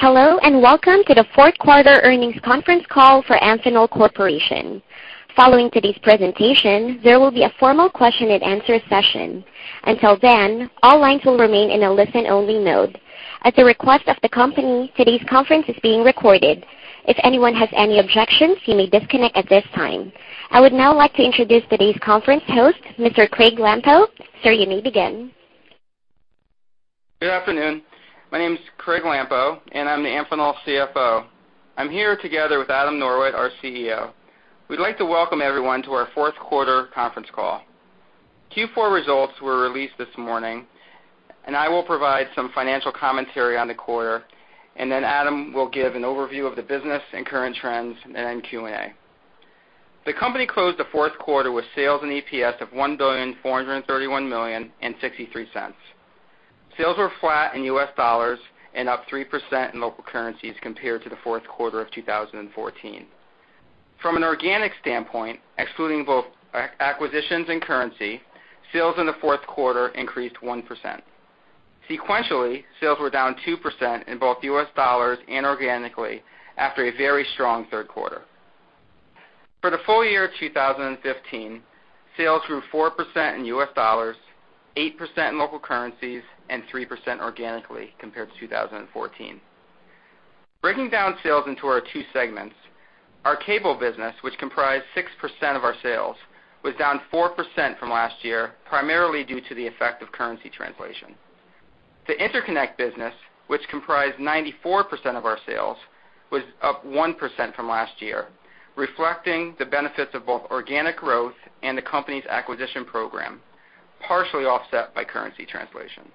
Hello, and Welcome to the Fourth Quarter Earnings Conference Call for Amphenol Corporation. Following today's presentation, there will be a formal question-and-answer session. Until then, all lines will remain in a listen-only mode. At the request of the company, today's conference is being recorded. If anyone has any objections, you may disconnect at this time. I would now like to introduce today's conference host, Mr. Craig Lampo. Sir, you may begin. Good afternoon. My name is Craig Lampo, and I'm the Amphenol CFO. I'm here together with Adam Norwitt, our CEO. We'd like to welcome everyone to our fourth quarter conference call. Q4 results were released this morning, and I will provide some financial commentary on the quarter, and then Adam will give an overview of the business and current trends, and then Q&A. The company closed the fourth quarter with sales and EPS of $1.431 billion and $0.63. Sales were flat in U.S. dollars and up 3% in local currencies compared to the fourth quarter of 2014. From an organic standpoint, excluding both acquisitions and currency, sales in the fourth quarter increased 1%. Sequentially, sales were down 2% in both U.S. dollars and organically after a very strong third quarter. For the full year of 2015, sales grew 4% in U.S. dollars, 8% in local currencies, and 3% organically compared to 2014. Breaking down sales into our two segments, our cable business, which comprised 6% of our sales, was down 4% from last year, primarily due to the effect of currency translation. The interconnect business, which comprised 94% of our sales, was up 1% from last year, reflecting the benefits of both organic growth and the company's acquisition program, partially offset by currency translation.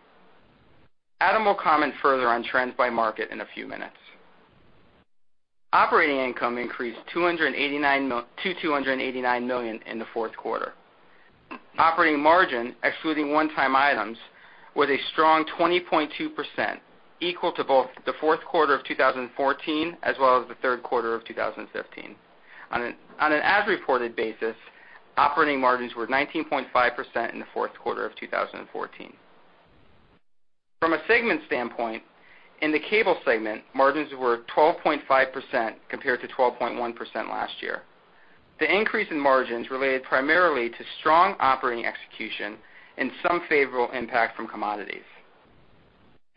Adam will comment further on trends by market in a few minutes. Operating income increased to $289 million in the fourth quarter. Operating margin, excluding one-time items, was a strong 20.2%, equal to both the fourth quarter of 2014 as well as the third quarter of 2015. On an as-reported basis, operating margins were 19.5% in the fourth quarter of 2014. From a segment standpoint, in the cable segment, margins were 12.5% compared to 12.1% last year. The increase in margins related primarily to strong operating execution and some favorable impact from commodities.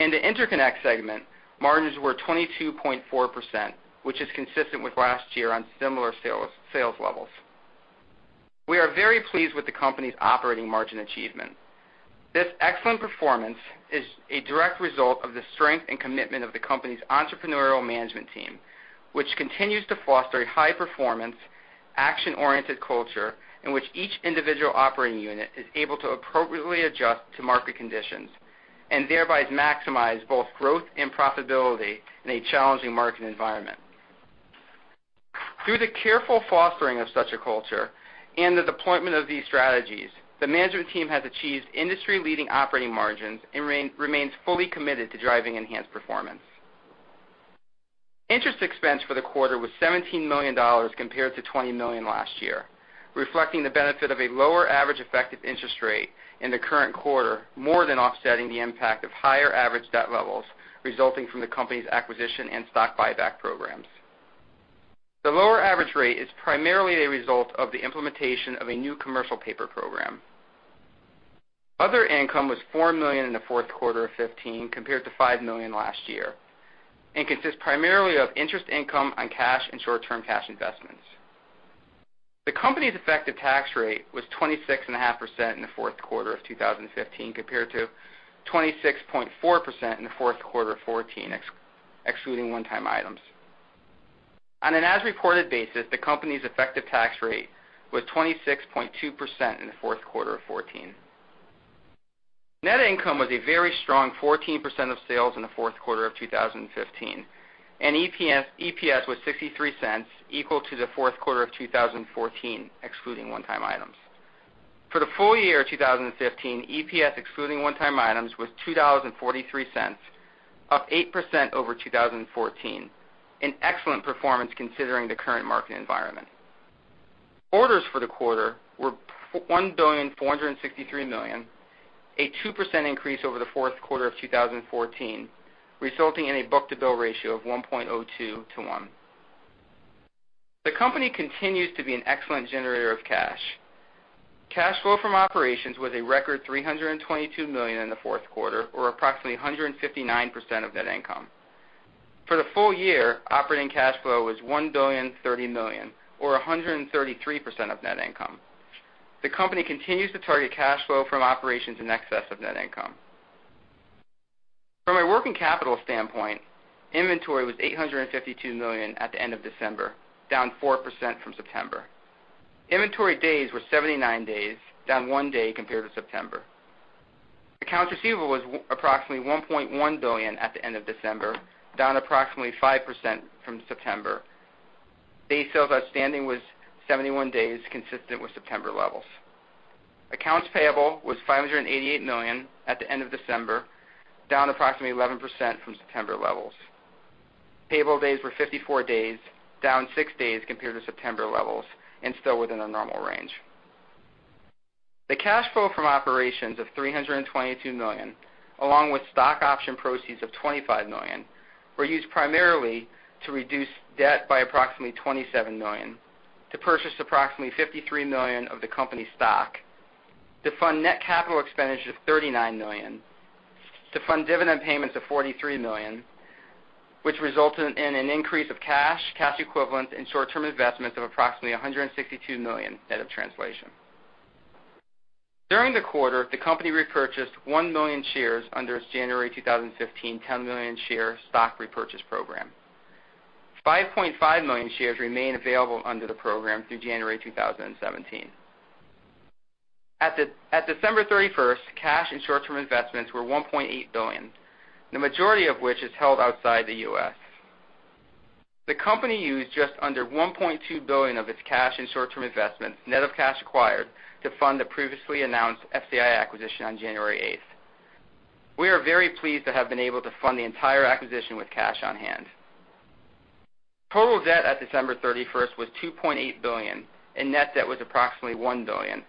In the interconnect segment, margins were 22.4%, which is consistent with last year on similar sales, sales levels. We are very pleased with the company's operating margin achievement. This excellent performance is a direct result of the strength and commitment of the company's entrepreneurial management team, which continues to foster a high-performance, action-oriented culture in which each individual operating unit is able to appropriately adjust to market conditions and thereby maximize both growth and profitability in a challenging market environment. Through the careful fostering of such a culture and the deployment of these strategies, the management team has achieved industry-leading operating margins and remains fully committed to driving enhanced performance. Interest expense for the quarter was $17 million compared to $20 million last year, reflecting the benefit of a lower average effective interest rate in the current quarter, more than offsetting the impact of higher average debt levels resulting from the company's acquisition and stock buyback programs. The lower average rate is primarily a result of the implementation of a new commercial paper program. Other income was $4 million in the fourth quarter of 2015, compared to $5 million last year, and consists primarily of interest income on cash and short-term cash investments. The company's effective tax rate was 26.5% in the fourth quarter of 2015, compared to 26.4% in the fourth quarter of 2014, excluding one-time items. On an as-reported basis, the company's effective tax rate was 26.2% in the fourth quarter of 2014. Net income was a very strong 14% of sales in the fourth quarter of 2015, and EPS was $0.63, equal to the fourth quarter of 2014, excluding one-time items. For the full year of 2015, EPS, excluding one-time items, was $2.43, up 8% over 2014, an excellent performance considering the current market environment. Orders for the quarter were $1.463 billion, a 2% increase over the fourth quarter of 2014, resulting in a book-to-bill ratio of 1.02 to 1. The company continues to be an excellent generator of cash. Cash flow from operations was a record $322 million in the fourth quarter, or approximately 159% of net income. For the full year, operating cash flow was $1.03 billion, or 133% of net income. The company continues to target cash flow from operations in excess of net income. From a working capital standpoint, inventory was $852 million at the end of December, down 4% from September. Inventory days were 79 days, down one day compared to September. Accounts receivable was approximately $1.1 billion at the end of December, down approximately 5% from September. Day sales outstanding was 71 days, consistent with September levels. Accounts payable was $588 million at the end of December, down approximately 11% from September levels. Payable days were 54 days, down six days compared to September levels and still within our normal range. The cash flow from operations of $322 million, along with stock option proceeds of $25 million, were used primarily to reduce debt by approximately $27 million, to purchase approximately $53 million of the company's stock, to fund net capital expenditures of $39 million, to fund dividend payments of $43 million, which resulted in an increase of cash, cash equivalents, and short-term investments of approximately $162 million net of translation. During the quarter, the company repurchased 1 million shares under its January 2015 10 million share stock repurchase program. 5.5 million shares remain available under the program through January 2017. At December 31, cash and short-term investments were $1.8 billion, the majority of which is held outside the U.S. The company used just under $1.2 billion of its cash and short-term investments, net of cash acquired, to fund the previously announced FCI acquisition on January 8. We are very pleased to have been able to fund the entire acquisition with cash on hand. Total debt at December 31 was $2.8 billion, and net debt was approximately $1 billion.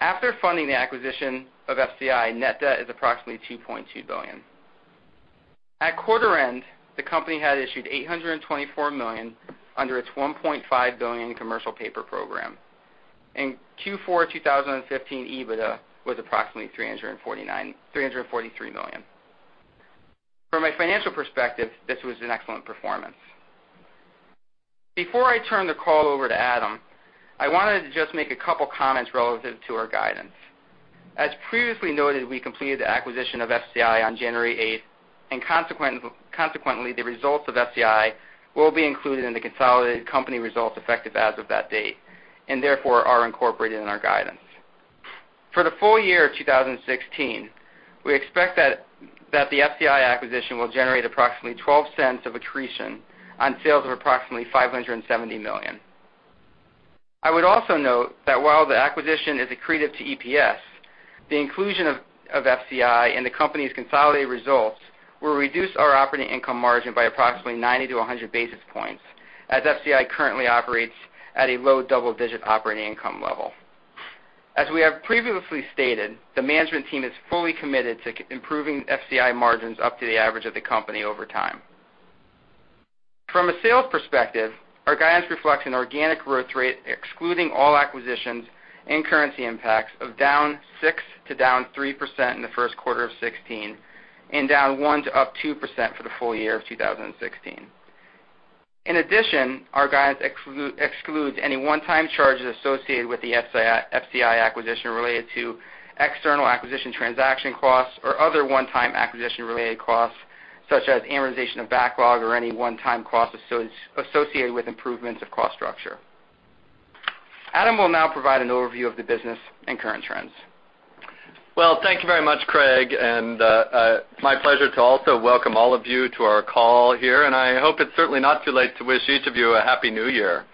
After funding the acquisition of FCI, net debt is approximately $2.2 billion. At quarter end, the company had issued $824 million under its $1.5 billion commercial paper program. In Q4 2015, EBITDA was approximately $349 million-$343 million. From a financial perspective, this was an excellent performance. Before I turn the call over to Adam, I wanted to just make a couple comments relative to our guidance. As previously noted, we completed the acquisition of FCI on January 8th, and consequently, the results of FCI will be included in the consolidated company results effective as of that date, and therefore, are incorporated in our guidance. For the full year of 2016, we expect that the FCI acquisition will generate approximately $0.12 of accretion on sales of approximately $570 million. I would also note that while the acquisition is accretive to EPS, the inclusion of FCI in the company's consolidated results will reduce our operating income margin by approximately 90-100 basis points, as FCI currently operates at a low double-digit operating income level. As we have previously stated, the management team is fully committed to improving FCI margins up to the average of the company over time. From a sales perspective, our guidance reflects an organic growth rate, excluding all acquisitions and currency impacts, of -6% to -3% in the first quarter of 2016, and -1% to +2% for the full year of 2016. In addition, our guidance excludes any one-time charges associated with the FCI acquisition related to external acquisition transaction costs or other one-time acquisition-related costs, such as amortization of backlog or any one-time costs associated with improvements of cost structure. Adam will now provide an overview of the business and current trends. Well, thank you very much, Craig, and my pleasure to also welcome all of you to our call here, and I hope it's certainly not too late to wish each of you a Happy New Year.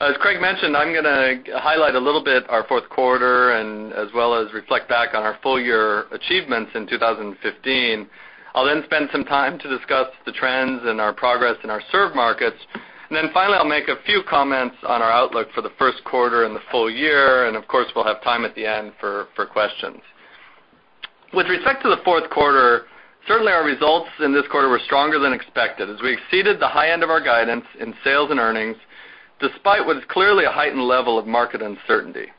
As Craig mentioned, I'm gonna highlight a little bit our fourth quarter and as well as reflect back on our full year achievements in 2015. I'll then spend some time to discuss the trends and our progress in our served markets. And then finally, I'll make a few comments on our outlook for the first quarter and the full year, and of course, we'll have time at the end for questions. With respect to the fourth quarter, certainly our results in this quarter were stronger than expected as we exceeded the high end of our guidance in sales and earnings, despite what is clearly a heightened level of market uncertainty.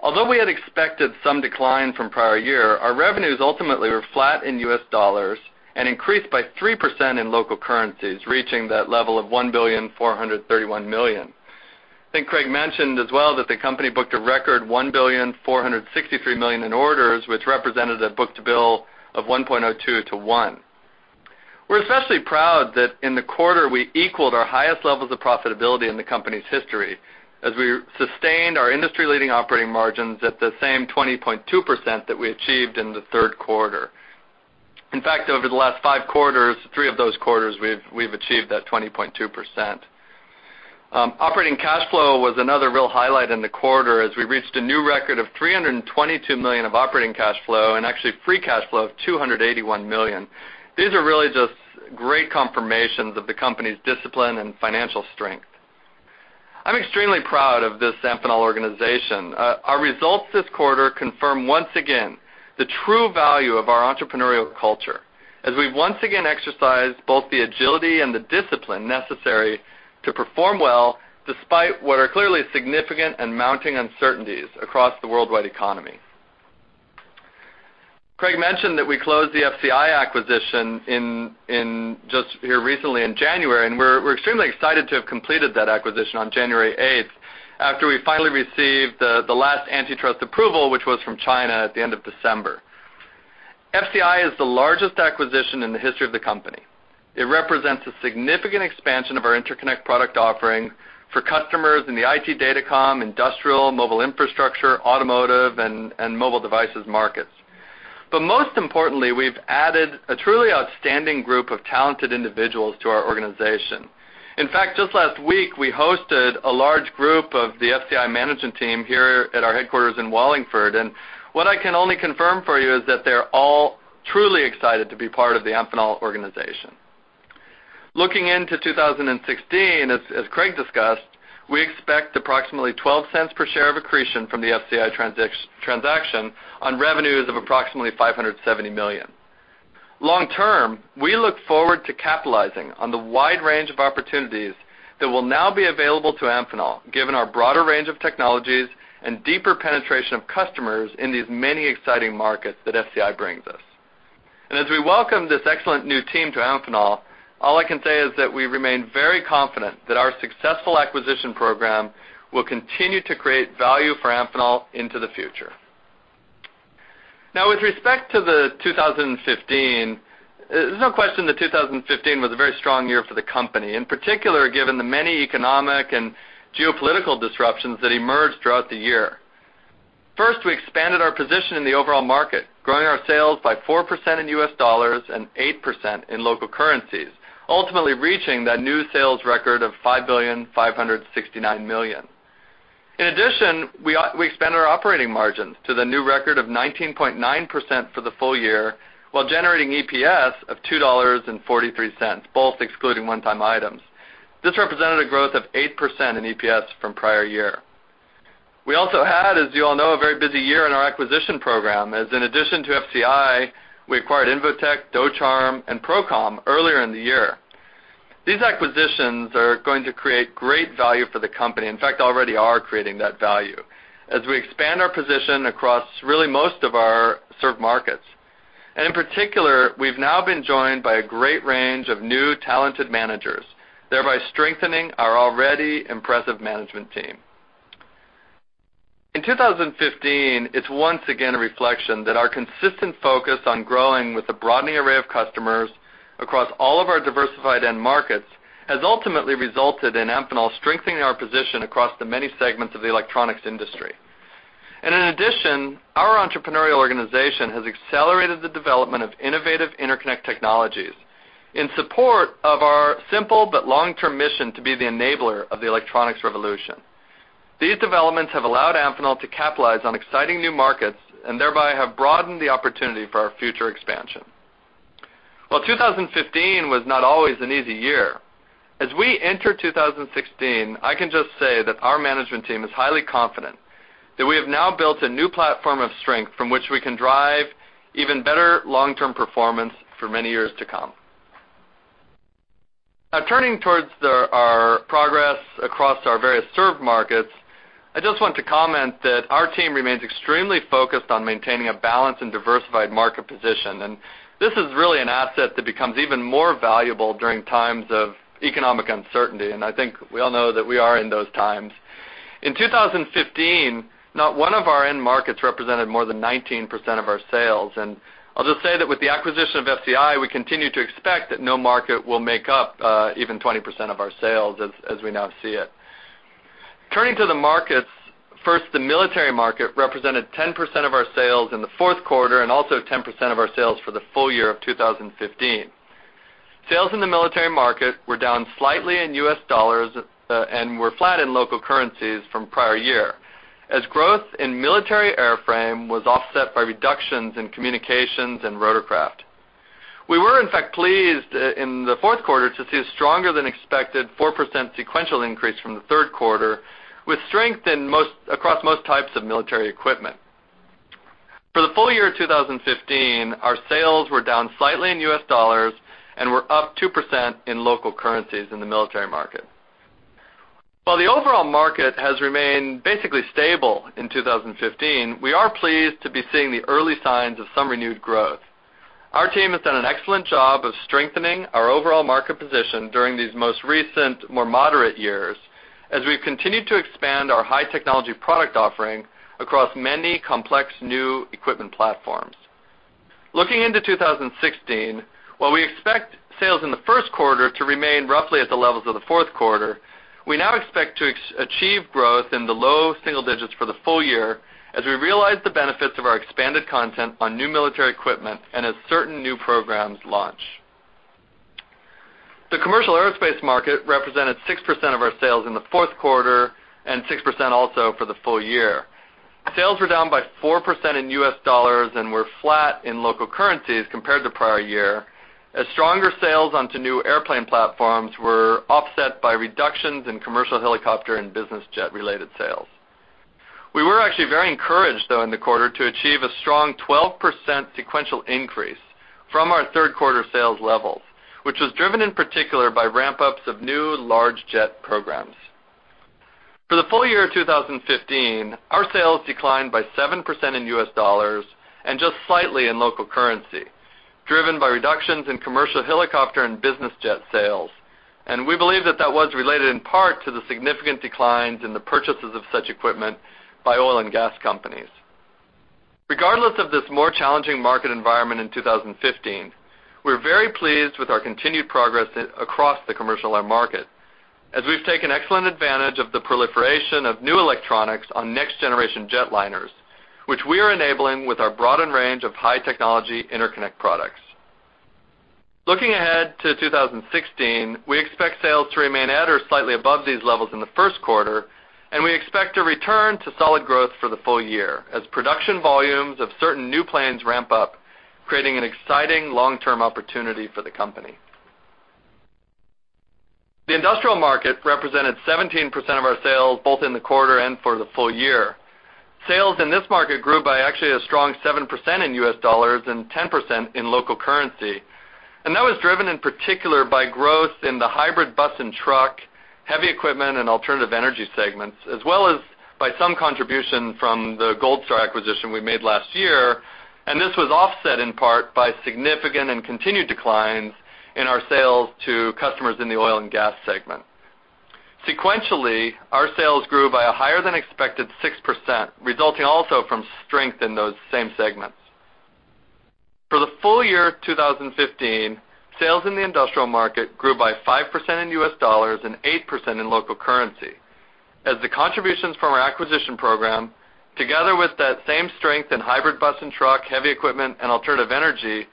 Although we had expected some decline from prior year, our revenues ultimately were flat in U.S. dollars and increased by 3% in local currencies, reaching that level of $1.431 billion. I think Craig mentioned as well that the company booked a record $1.463 billion in orders, which represented a book-to-bill of 1.2 to 1. We're especially proud that in the quarter, we equaled our highest levels of profitability in the company's history as we sustained our industry-leading operating margins at the same 20.2% that we achieved in the third quarter. In fact, over the last five quarters, three of those quarters, we've achieved that 20.2%. Operating cash flow was another real highlight in the quarter as we reached a new record of $322 million of operating cash flow, and actually free cash flow of $281 million. These are really just great confirmations of the company's discipline and financial strength. I'm extremely proud of this Amphenol organization. Our results this quarter confirm, once again, the true value of our entrepreneurial culture as we've once again exercised both the agility and the discipline necessary to perform well, despite what are clearly significant and mounting uncertainties across the worldwide economy. Craig mentioned that we closed the FCI acquisition in just here recently in January, and we're extremely excited to have completed that acquisition on January 8th, after we finally received the last antitrust approval, which was from China at the end of December. FCI is the largest acquisition in the history of the company. It represents a significant expansion of our interconnect product offering for customers in the IT Datacom, industrial, mobile infrastructure, automotive, and mobile devices markets. But most importantly, we've added a truly outstanding group of talented individuals to our organization. In fact, just last week, we hosted a large group of the FCI management team here at our headquarters in Wallingford, and what I can only confirm for you is that they're all truly excited to be part of the Amphenol organization. Looking into 2016, as Craig discussed, we expect approximately $0.12 per share of accretion from the FCI transaction on revenues of approximately $570 million. Long term, we look forward to capitalizing on the wide range of opportunities that will now be available to Amphenol, given our broader range of technologies and deeper penetration of customers in these many exciting markets that FCI brings us. And as we welcome this excellent new team to Amphenol, all I can say is that we remain very confident that our successful acquisition program will continue to create value for Amphenol into the future. Now, with respect to 2015, there's no question that 2015 was a very strong year for the company, in particular, given the many economic and geopolitical disruptions that emerged throughout the year. First, we expanded our position in the overall market, growing our sales by 4% in U.S. dollars and 8% in local currencies, ultimately reaching that new sales record of $5.569 billion. In addition, we expanded our operating margins to the new record of 19.9% for the full year, while generating EPS of $2.43, both excluding one-time items. This represented a growth of 8% in EPS from prior year. We also had, as you all know, a very busy year in our acquisition program, as in addition to FCI, we acquired Invotec, Duchang, and Procom earlier in the year. These acquisitions are going to create great value for the company, in fact, already are creating that value, as we expand our position across really most of our served markets. In particular, we've now been joined by a great range of new talented managers, thereby strengthening our already impressive management team. In 2015, it's once again a reflection that our consistent focus on growing with a broadening array of customers across all of our diversified end markets, has ultimately resulted in Amphenol strengthening our position across the many segments of the electronics industry. In addition, our entrepreneurial organization has accelerated the development of innovative interconnect technologies in support of our simple but long-term mission to be the enabler of the electronics revolution. These developments have allowed Amphenol to capitalize on exciting new markets and thereby have broadened the opportunity for our future expansion. While 2015 was not always an easy year, as we enter 2016, I can just say that our management team is highly confident that we have now built a new platform of strength from which we can drive even better long-term performance for many years to come. Now, turning towards our progress across our various served markets, I just want to comment that our team remains extremely focused on maintaining a balanced and diversified market position. This is really an asset that becomes even more valuable during times of economic uncertainty, and I think we all know that we are in those times. In 2015, not one of our end markets represented more than 19% of our sales. I'll just say that with the acquisition of FCI, we continue to expect that no market will make up even 20% of our sales as we now see it. Turning to the markets, first, the military market represented 10% of our sales in the fourth quarter, and also 10% of our sales for the full year of 2015. Sales in the military market were down slightly in U.S. dollars, and were flat in local currencies from prior year, as growth in military airframe was offset by reductions in communications and rotorcraft. We were, in fact, pleased, in the fourth quarter to see a stronger than expected 4% sequential increase from the third quarter, with strength in most, across most types of military equipment. For the full year of 2015, our sales were down slightly in U.S. dollars and were up 2% in local currencies in the military market. While the overall market has remained basically stable in 2015, we are pleased to be seeing the early signs of some renewed growth. Our team has done an excellent job of strengthening our overall market position during these most recent, more moderate years, as we've continued to expand our high-technology product offering across many complex new equipment platforms. Looking into 2016, while we expect sales in the first quarter to remain roughly at the levels of the fourth quarter, we now expect to achieve growth in the low single digits for the full year as we realize the benefits of our expanded content on new military equipment and as certain new programs launch. The commercial aerospace market represented 6% of our sales in the fourth quarter and 6% also for the full year. Sales were down by 4% in U.S. dollars and were flat in local currencies compared to prior year, as stronger sales onto new airplane platforms were offset by reductions in commercial helicopter and business jet-related sales. We were actually very encouraged, though, in the quarter to achieve a strong 12% sequential increase from our third quarter sales levels, which was driven in particular by ramp-ups of new large jet programs. For the full year of 2015, our sales declined by 7% in U.S. dollars and just slightly in local currency, driven by reductions in commercial helicopter and business jet sales. And we believe that that was related in part to the significant declines in the purchases of such equipment by oil and gas companies. Regardless of this more challenging market environment in 2015, we're very pleased with our continued progress across the commercial air market, as we've taken excellent advantage of the proliferation of new electronics on next-generation jetliners, which we are enabling with our broadened range of high-technology interconnect products. Looking ahead to 2016, we expect sales to remain at or slightly above these levels in the first quarter. and we expect to return to solid growth for the full year as production volumes of certain new planes ramp up, creating an exciting long-term opportunity for the company. The industrial market represented 17% of our sales, both in the quarter and for the full year. Sales in this market grew by actually a strong 7% in U.S. dollars and 10% in local currency, and that was driven in particular by growth in the hybrid bus and truck, heavy equipment, and alternative energy segments, as well as by some contribution from the Golda acquisition we made last year, and this was offset in part by significant and continued declines in our sales to customers in the oil and gas segment. Sequentially, our sales grew by a higher-than-expected 6%, resulting also from strength in those same segments. For the full year of 2015, sales in the industrial market grew by 5% in U.S. dollars and 8% in local currency, as the contributions from our acquisition program, together with that same strength in hybrid bus and truck, heavy equipment, and alternative energy,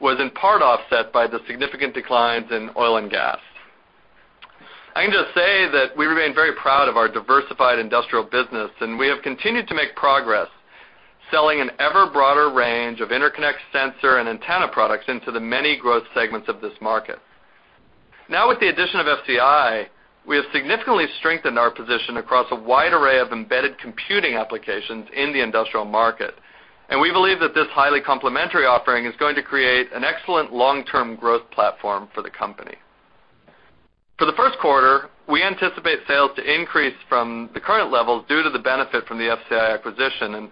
was in part offset by the significant declines in oil and gas. I can just say that we remain very proud of our diversified industrial business, and we have continued to make progress, selling an ever-broader range of interconnect, sensor, and antenna products into the many growth segments of this market. Now, with the addition of FCI, we have significantly strengthened our position across a wide array of embedded computing applications in the industrial market, and we believe that this highly complementary offering is going to create an excellent long-term growth platform for the company. For the first quarter, we anticipate sales to increase from the current levels due to the benefit from the FCI acquisition, and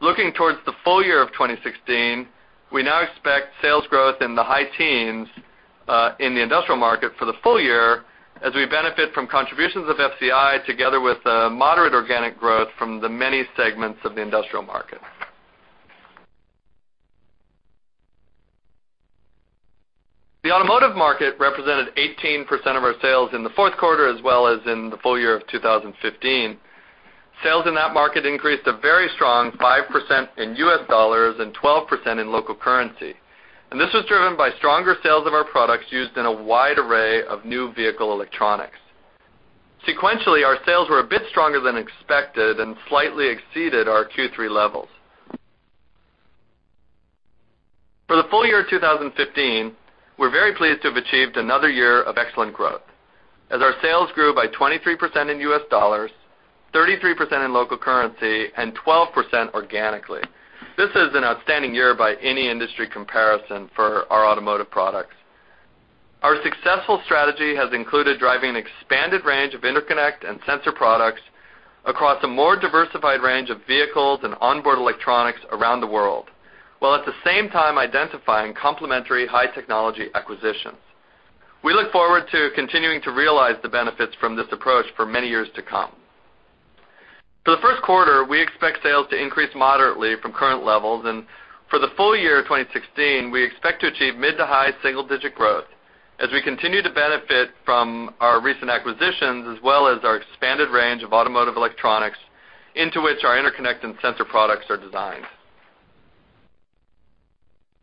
looking towards the full year of 2016, we now expect sales growth in the high teens in the industrial market for the full year, as we benefit from contributions of FCI, together with moderate organic growth from the many segments of the industrial market. The automotive market represented 18% of our sales in the fourth quarter, as well as in the full year of 2015. Sales in that market increased a very strong 5% in U.S. dollars and 12% in local currency, and this was driven by stronger sales of our products used in a wide array of new vehicle electronics. Sequentially, our sales were a bit stronger than expected and slightly exceeded our Q3 levels. For the full year of 2015, we're very pleased to have achieved another year of excellent growth as our sales grew by 23% in U.S. dollars, 33% in local currency, and 12% organically. This is an outstanding year by any industry comparison for our automotive products. Our successful strategy has included driving an expanded range of interconnect and sensor products across a more diversified range of vehicles and onboard electronics around the world, while at the same time, identifying complementary high-technology acquisitions. We look forward to continuing to realize the benefits from this approach for many years to come. For the first quarter, we expect sales to increase moderately from current levels, and for the full year of 2016, we expect to achieve mid to high single-digit growth as we continue to benefit from our recent acquisitions, as well as our expanded range of automotive electronics into which our interconnect and sensor products are designed.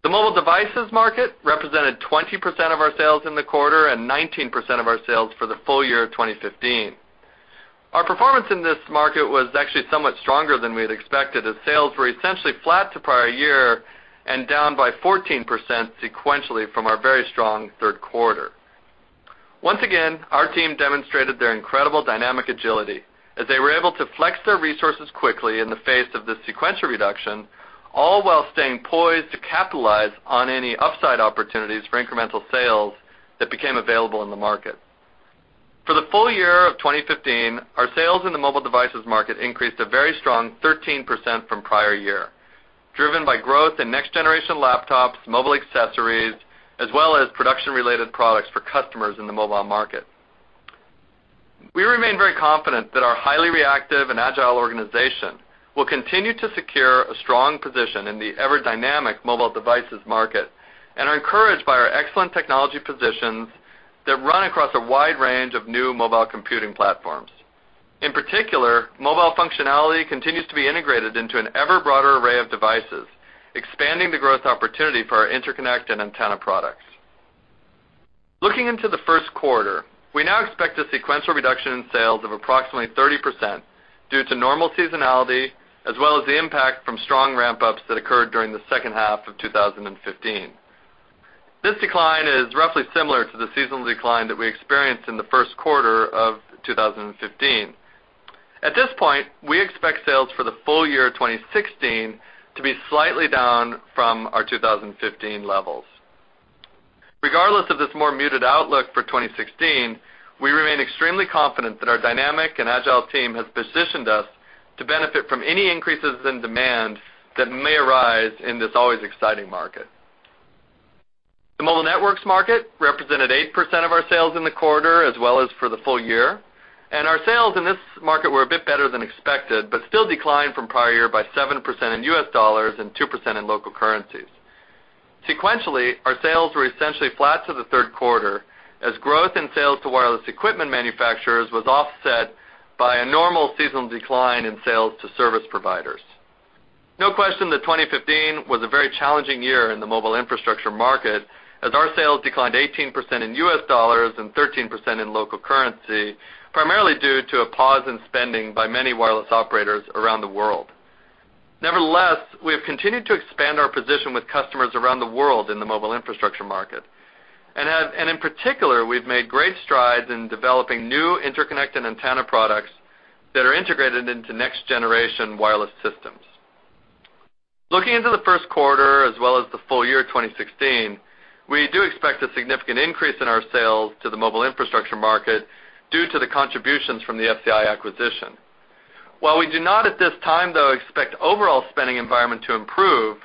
The mobile devices market represented 20% of our sales in the quarter and 19% of our sales for the full year of 2015. Our performance in this market was actually somewhat stronger than we had expected, as sales were essentially flat to prior year and down by 14% sequentially from our very strong third quarter. Once again, our team demonstrated their incredible dynamic agility as they were able to flex their resources quickly in the face of this sequential reduction, all while staying poised to capitalize on any upside opportunities for incremental sales that became available in the market. For the full year of 2015, our sales in the mobile devices market increased a very strong 13% from prior year, driven by growth in next-generation laptops, mobile accessories, as well as production-related products for customers in the mobile market. We remain very confident that our highly reactive and agile organization will continue to secure a strong position in the ever-dynamic mobile devices market and are encouraged by our excellent technology positions that run across a wide range of new mobile computing platforms. In particular, mobile functionality continues to be integrated into an ever-broader array of devices, expanding the growth opportunity for our interconnect and antenna products. Looking into the first quarter, we now expect a sequential reduction in sales of approximately 30% due to normal seasonality, as well as the impact from strong ramp-ups that occurred during the second half of 2015. This decline is roughly similar to the seasonal decline that we experienced in the first quarter of 2015. At this point, we expect sales for the full year of 2016 to be slightly down from our 2015 levels. Regardless of this more muted outlook for 2016, we remain extremely confident that our dynamic and agile team has positioned us to benefit from any increases in demand that may arise in this always exciting market. The mobile networks market represented 8% of our sales in the quarter, as well as for the full year, and our sales in this market were a bit better than expected, but still declined from prior year by 7% in U.S. dollars and 2% in local currencies. Sequentially, our sales were essentially flat to the third quarter, as growth in sales to wireless equipment manufacturers was offset by a normal seasonal decline in sales to service providers. No question that 2015 was a very challenging year in the mobile infrastructure market, as our sales declined 18% in U.S. dollars and 13% in local currency, primarily due to a pause in spending by many wireless operators around the world. Nevertheless, we have continued to expand our position with customers around the world in the mobile infrastructure market, and, in particular, we've made great strides in developing new interconnect and antenna products that are integrated into next-generation wireless systems. Looking into the first quarter as well as the full year 2016, we do expect a significant increase in our sales to the mobile infrastructure market due to the contributions from the FCI acquisition. While we do not, at this time, though, expect overall spending environment to improve,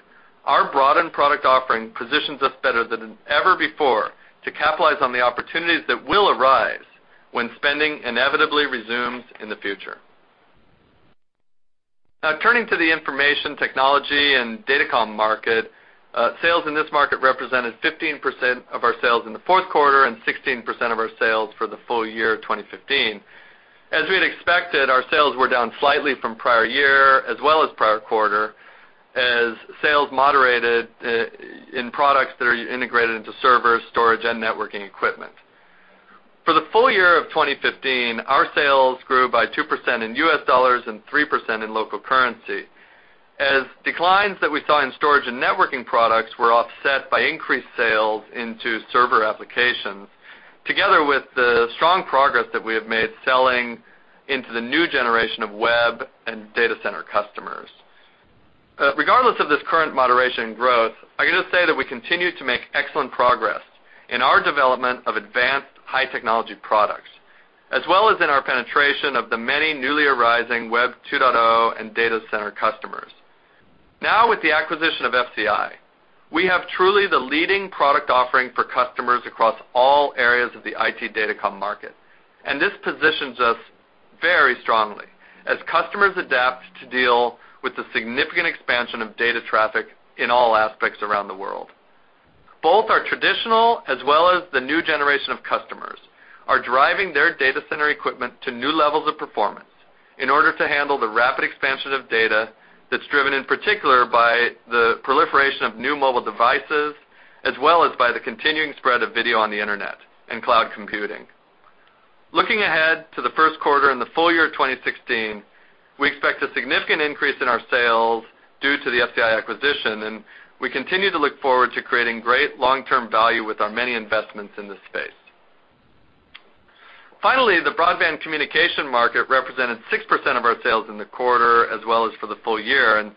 our broadened product offering positions us better than ever before to capitalize on the opportunities that will arise when spending inevitably resumes in the future. Now, turning to the information technology and datacom market, sales in this market represented 15% of our sales in the fourth quarter and 16% of our sales for the full year 2015. As we had expected, our sales were down slightly from prior year as well as prior quarter, as sales moderated in products that are integrated into server, storage, and networking equipment. For the full year of 2015, our sales grew by 2% in U.S. dollars and 3% in local currency, as declines that we saw in storage and networking products were offset by increased sales into server applications, together with the strong progress that we have made selling into the new generation of Web and data center customers. Regardless of this current moderation in growth, I can just say that we continue to make excellent progress in our development of advanced, high-technology products, as well as in our penetration of the many newly arising Web 2.0 and data center customers. Now, with the acquisition of FCI, we have truly the leading product offering for customers across all areas of the IT Datacom market, and this positions us very strongly as customers adapt to deal with the significant expansion of data traffic in all aspects around the world. Both our traditional as well as the new generation of customers are driving their data center equipment to new levels of performance in order to handle the rapid expansion of data that's driven, in particular, by the proliferation of new mobile devices, as well as by the continuing spread of video on the internet and cloud computing. Looking ahead to the first quarter and the full year of 2016, we expect a significant increase in our sales due to the FCI acquisition, and we continue to look forward to creating great long-term value with our many investments in this space. Finally, the broadband communication market represented 6% of our sales in the quarter as well as for the full year, and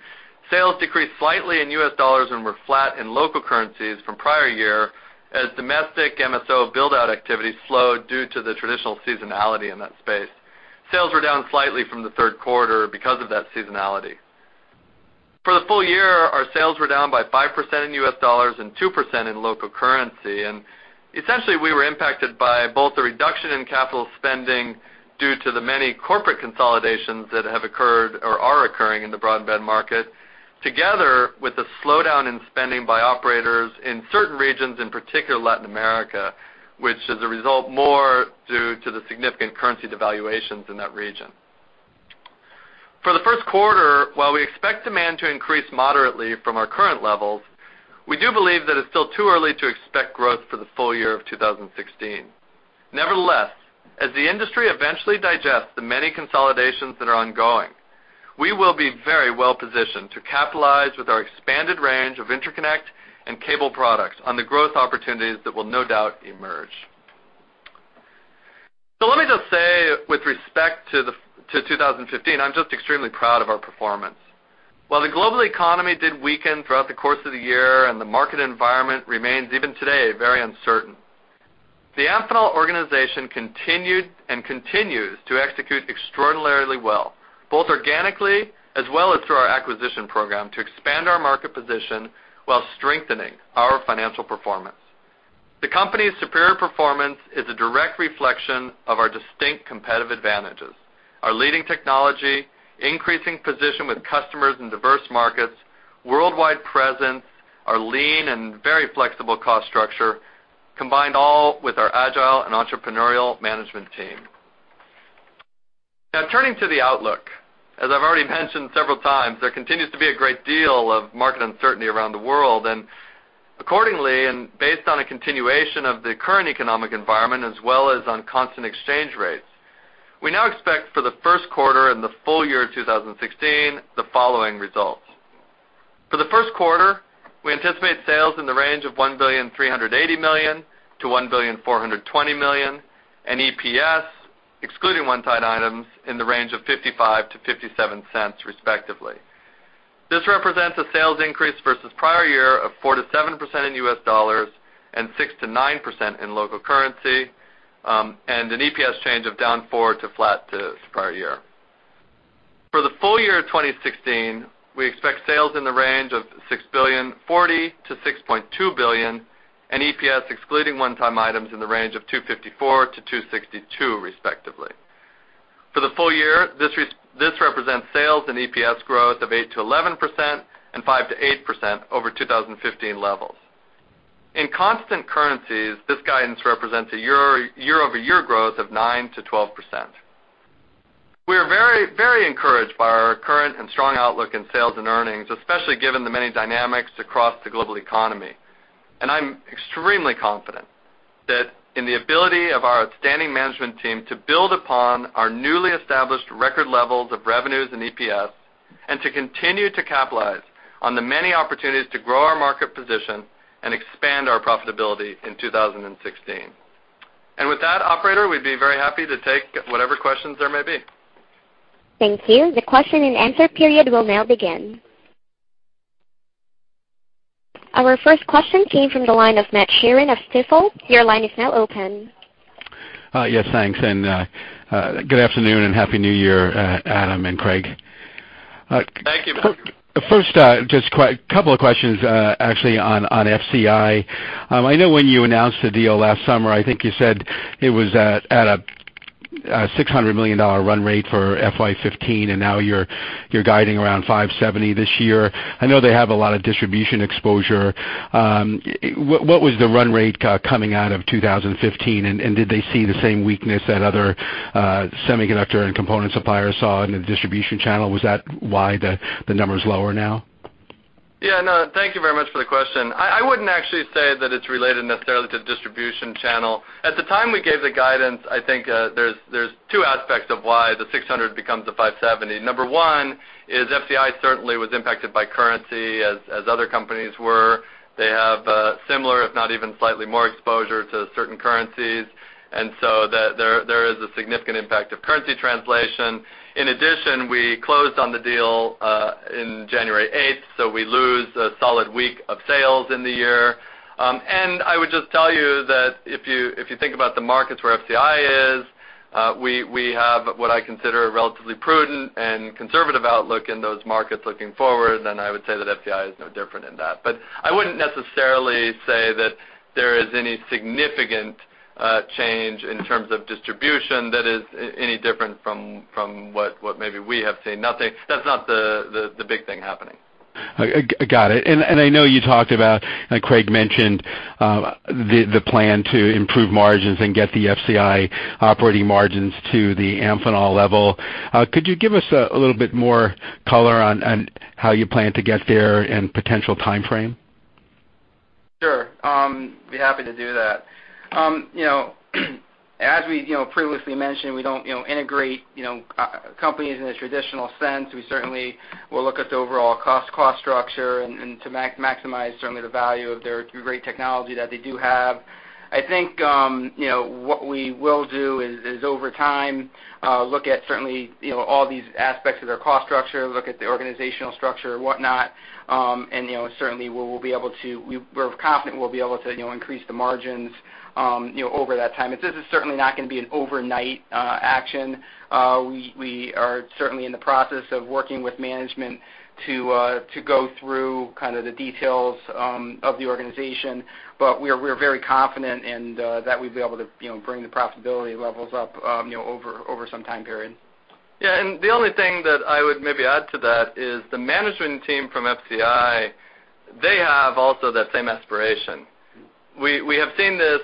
sales decreased slightly in U.S. dollars and were flat in local currencies from prior year, as domestic MSO build-out activity slowed due to the traditional seasonality in that space. Sales were down slightly from the third quarter because of that seasonality. For the full year, our sales were down by 5% in U.S. dollars and 2% in local currency, and essentially, we were impacted by both the reduction in capital spending due to the many corporate consolidations that have occurred or are occurring in the broadband market, together with the slowdown in spending by operators in certain regions, in particular Latin America, which is a result more due to the significant currency devaluations in that region. For the first quarter, while we expect demand to increase moderately from our current levels, we do believe that it's still too early to expect growth for the full year of 2016. Nevertheless, as the industry eventually digests the many consolidations that are ongoing, we will be very well positioned to capitalize with our expanded range of interconnect and cable products on the growth opportunities that will no doubt emerge. So let me just say, with respect to 2015, I'm just extremely proud of our performance. While the global economy did weaken throughout the course of the year, and the market environment remains, even today, very uncertain, the Amphenol organization continued and continues to execute extraordinarily well, both organically as well as through our acquisition program, to expand our market position while strengthening our financial performance. The company's superior performance is a direct reflection of our distinct competitive advantages, our leading technology, increasing position with customers in diverse markets, worldwide presence, our lean and very flexible cost structure, combined all with our agile and entrepreneurial management team. Now, turning to the outlook. As I've already mentioned several times, there continues to be a great deal of market uncertainty around the world, and accordingly, and based on a continuation of the current economic environment, as well as on constant exchange rates, we now expect for the first quarter and the full year 2016, the following results. For the first quarter, we anticipate sales in the range of $1.38 billion-$1.42 billion, and EPS, excluding one-time items, in the range of $0.55-$0.57, respectively. This represents a sales increase versus prior year of 4%-7% in U.S. dollars and 6%-9% in local currency, and an EPS change of down 4% to flat to prior year. For the full year 2016, we expect sales in the range of $6 billion-$6.2 billion, and EPS, excluding one-time items, in the range of $2.54-$2.62, respectively. For the full year, this represents sales and EPS growth of 8%-11% and 5%-8% over 2015 levels. In constant currencies, this guidance represents a year-over-year growth of 9%-12%. We are very, very encouraged by our current and strong outlook in sales and earnings, especially given the many dynamics across the global economy. I'm extremely confident that in the ability of our outstanding management team to build upon our newly established record levels of revenues and EPS, and to continue to capitalize on the many opportunities to grow our market position and expand our profitability in 2016. And with that, operator, we'd be very happy to take whatever questions there may be. Thank you. The question-and-answer period will now begin. Our first question came from the line of Matt Sheerin of Stifel. Your line is now open. Yes, thanks, and good afternoon and Happy New Year, Adam and Craig. Thank you, Matt. First, just quite a couple of questions, actually, on FCI. I know when you announced the deal last summer, I think you said it was at a $600 million run rate for FY 2015, and now you're guiding around $570 million this year. I know they have a lot of distribution exposure. What was the run rate coming out of 2015? And did they see the same weakness that other semiconductor and component suppliers saw in the distribution channel? Was that why the number is lower now? Yeah, no, thank you very much for the question. I, I wouldn't actually say that it's related necessarily to the distribution channel. At the time we gave the guidance, I think, there's, there's two aspects of why the $600 million becomes a $570 million. Number one is FCI certainly was impacted by currency as other companies were. They have similar if not even slightly more exposure to certain currencies, and so there is a significant impact of currency translation. In addition, we closed on the deal in January 8th, so we lose a solid week of sales in the year. And I would just tell you that if you, if you think about the markets where FCI is, we, we have what I consider a relatively prudent and conservative outlook in those markets looking forward, and I would say that FCI is no different in that. But I wouldn't necessarily say that there is any significant change in terms of distribution that is any different from what maybe we have seen. Nothing. That's not the big thing happening. Got it. And I know you talked about, and Craig mentioned, the plan to improve margins and get the FCI operating margins to the Amphenol level. Could you give us a little bit more color on how you plan to get there and potential timeframe? Sure, be happy to do that. You know, as we, you know, previously mentioned, we don't, you know, integrate, you know, companies in a traditional sense. We certainly will look at the overall cost structure and to maximize certainly the value of their great technology that they do have. I think, you know, what we will do is over time look at certainly, you know, all these aspects of their cost structure, look at the organizational structure and whatnot, and, you know, certainly we will be able to... We're confident we'll be able to, you know, increase the margins, you know, over that time. This is certainly not gonna be an overnight action. We are certainly in the process of working with management to go through kind of the details of the organization, but we are very confident that we'd be able to, you know, bring the profitability levels up, you know, over some time period. Yeah, and the only thing that I would maybe add to that is the management team from FCI. They have also that same aspiration. We have seen this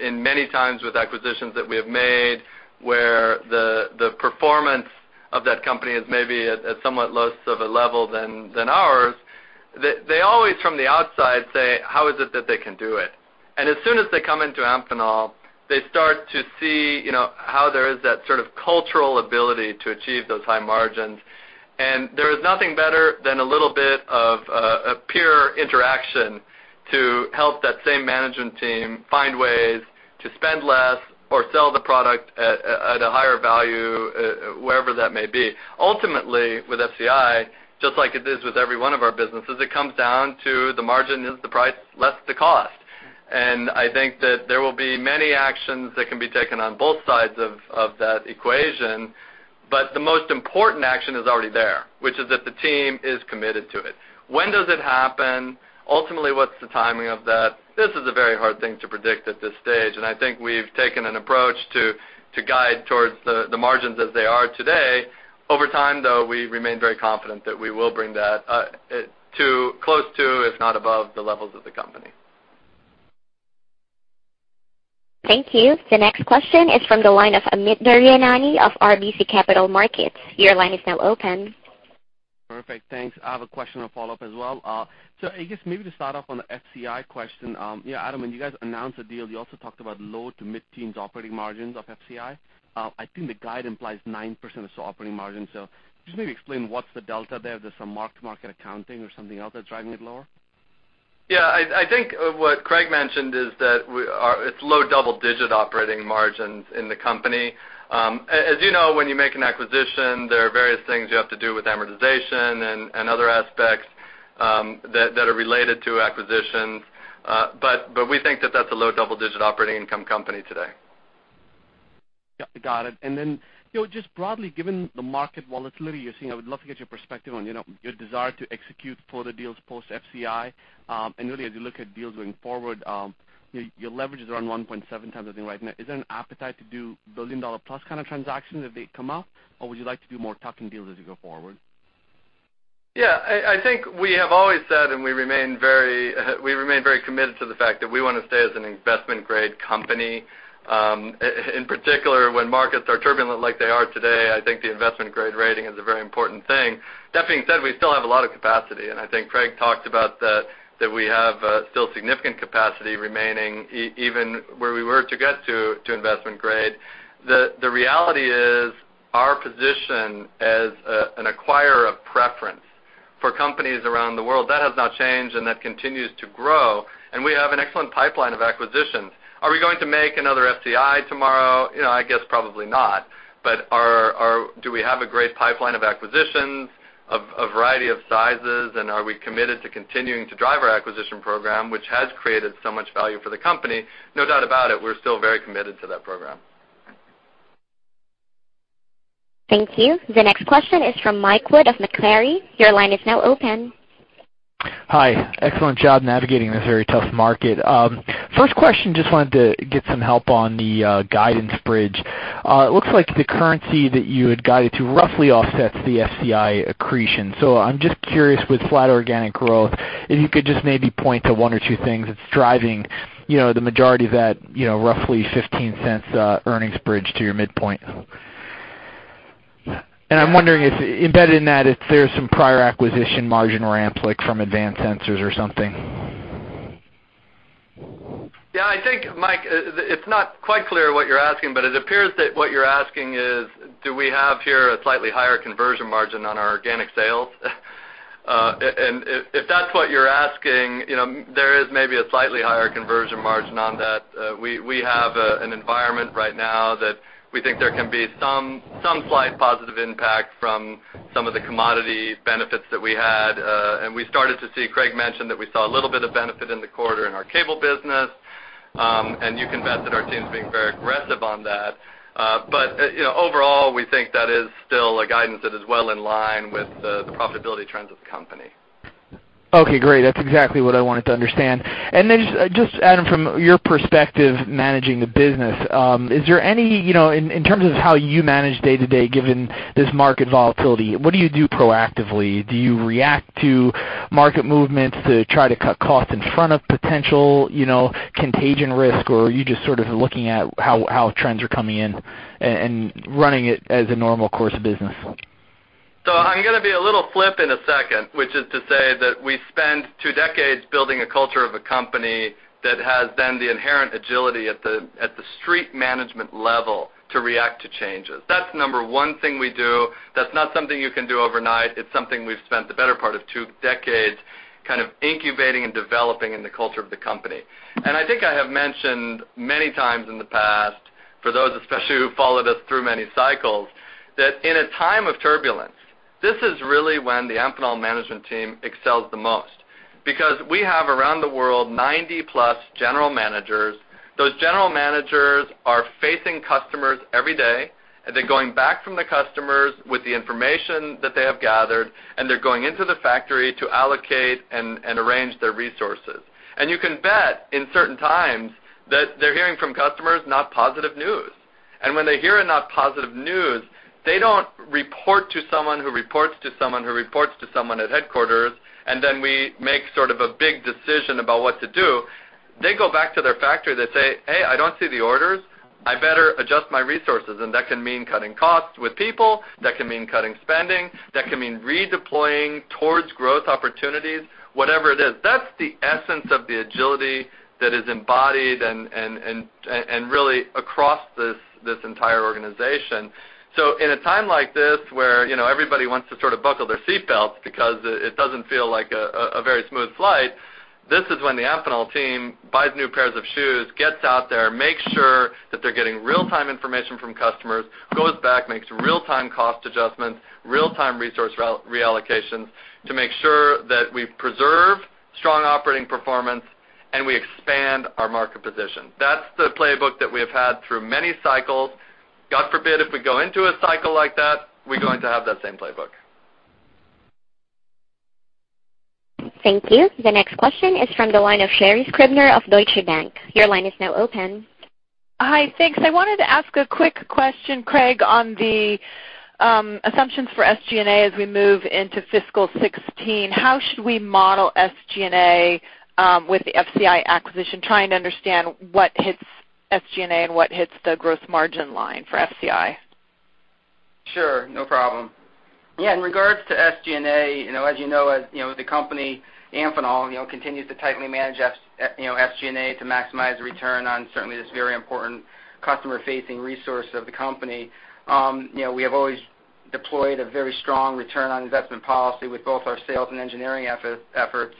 in many times with acquisitions that we have made, where the performance of that company is maybe at somewhat less of a level than ours. They always from the outside say, "How is it that they can do it?" And as soon as they come into Amphenol, they start to see, you know, how there is that sort of cultural ability to achieve those high margins. And there is nothing better than a little bit of a peer interaction to help that same management team find ways to spend less or sell the product at a higher value, wherever that may be. Ultimately, with FCI, just like it is with every one of our businesses, it comes down to the margin is the price, less the cost. I think that there will be many actions that can be taken on both sides of that equation. But the most important action is already there, which is that the team is committed to it. When does it happen? Ultimately, what's the timing of that? This is a very hard thing to predict at this stage, and I think we've taken an approach to guide towards the margins as they are today. Over time, though, we remain very confident that we will bring that, it, to close to, if not above, the levels of the company. Thank you. The next question is from the line of Amit Daryanani of RBC Capital Markets. Your line is now open. Perfect. Thanks. I have a question to follow up as well. So I guess maybe to start off on the FCI question, you know, Adam, when you guys announced the deal, you also talked about low to mid-teens operating margins of FCI. I think the guide implies 9% of operating margin. So just maybe explain what's the delta there? Just some mark-to-market accounting or something else that's driving it lower? Yeah, I think what Craig mentioned is that it's low double-digit operating margins in the company. As you know, when you make an acquisition, there are various things you have to do with amortization and other aspects that are related to acquisitions. But we think that that's a low double-digit operating income company today. Yeah, got it. And then, you know, just broadly, given the market volatility you're seeing, I would love to get your perspective on, you know, your desire to execute for the deals post FCI. And really, as you look at deals going forward, you know, your leverage is around 1.7x, I think, right now. Is there an appetite to do billion-dollar-plus kind of transactions if they come out? Or would you like to do more tuck-in deals as you go forward? Yeah, I think we have always said, and we remain very committed to the fact that we want to stay as an investment-grade company. In particular, when markets are turbulent like they are today, I think the investment-grade rating is a very important thing. That being said, we still have a lot of capacity, and I think Craig talked about that, we have still significant capacity remaining even where we were to get to investment grade. The reality is our position as an acquirer of preference for companies around the world, that has not changed, and that continues to grow, and we have an excellent pipeline of acquisitions. Are we going to make another FCI tomorrow? You know, I guess probably not. But are we going to have a great pipeline of acquisitions of variety of sizes? Are we committed to continuing to drive our acquisition program, which has created so much value for the company? No doubt about it, we're still very committed to that program. Thank you. The next question is from Mike Wood of Macquarie. Your line is now open. Hi. Excellent job navigating this very tough market. First question, just wanted to get some help on the guidance bridge. It looks like the currency that you had guided to roughly offsets the FCI accretion. So I'm just curious, with flat organic growth, if you could just maybe point to one or two things that's driving, you know, the majority of that, you know, roughly $0.15 earnings bridge to your midpoint. And I'm wondering if embedded in that, if there's some prior acquisition margin ramps, like from Advanced Sensors or something. Yeah, I think, Mike, it's not quite clear what you're asking, but it appears that what you're asking is, do we have here a slightly higher conversion margin on our organic sales? And if, if that's what you're asking, you know, there is maybe a slightly higher conversion margin on that. We, we have an environment right now that we think there can be some, some slight positive impact from some of the commodity benefits that we had, and we started to see. Craig mentioned that we saw a little bit of benefit in the quarter in our cable business, and you can bet that our team's being very aggressive on that. But, you know, overall, we think that is still a guidance that is well in line with the, the profitability trends of the company. Okay, great. That's exactly what I wanted to understand. Then just, just Adam, from your perspective, managing the business, is there any, you know, in terms of how you manage day-to-day, given this market volatility, what do you do proactively? Do you react to market movements to try to cut costs in front of potential, you know, contagion risk, or are you just sort of looking at how trends are coming in and running it as a normal course of business? So I'm gonna be a little flip in a second, which is to say that we spent two decades building a culture of a company that has then the inherent agility at the street management level to react to changes. That's number one thing we do. That's not something you can do overnight. It's something we've spent the better part of two decades kind of incubating and developing in the culture of the company. And I think I have mentioned many times in the past, for those especially who followed us through many cycles, that in a time of turbulence, this is really when the Amphenol management team excels the most. Because we have, around the world, 90+ general managers. Those general managers are facing customers every day, and they're going back from the customers with the information that they have gathered, and they're going into the factory to allocate and arrange their resources. You can bet, in certain times, that they're hearing from customers, not positive news. When they hear a not positive news, they don't report to someone, who reports to someone, who reports to someone at headquarters, and then we make sort of a big decision about what to do. They go back to their factory, they say, "Hey, I don't see the orders. I better adjust my resources." That can mean cutting costs with people, that can mean cutting spending, that can mean redeploying towards growth opportunities, whatever it is. That's the essence of the agility that is embodied and really across this entire organization. So in a time like this, where, you know, everybody wants to sort of buckle their seatbelts because it, it doesn't feel like a, a very smooth flight, this is when the Amphenol team buys new pairs of shoes, gets out there, makes sure that they're getting real-time information from customers, goes back, makes real-time cost adjustments, real-time resource re-reallocations, to make sure that we preserve strong operating performance, and we expand our market position. That's the playbook that we have had through many cycles. God forbid, if we go into a cycle like that, we're going to have that same playbook. Thank you. The next question is from the line of Sherri Scribner of Deutsche Bank. Your line is now open. Hi, thanks. I wanted to ask a quick question, Craig, on the assumptions for SG&A as we move into fiscal 2016. How should we model SG&A with the FCI acquisition? Trying to understand what hits SG&A and what hits the gross margin line for FCI. Sure, no problem. Yeah, in regards to SG&A, you know, as you know, as, you know, the company, Amphenol, you know, continues to tightly manage SG&A to maximize the return on certainly this very important customer-facing resource of the company. You know, we have always deployed a very strong return on investment policy with both our sales and engineering efforts.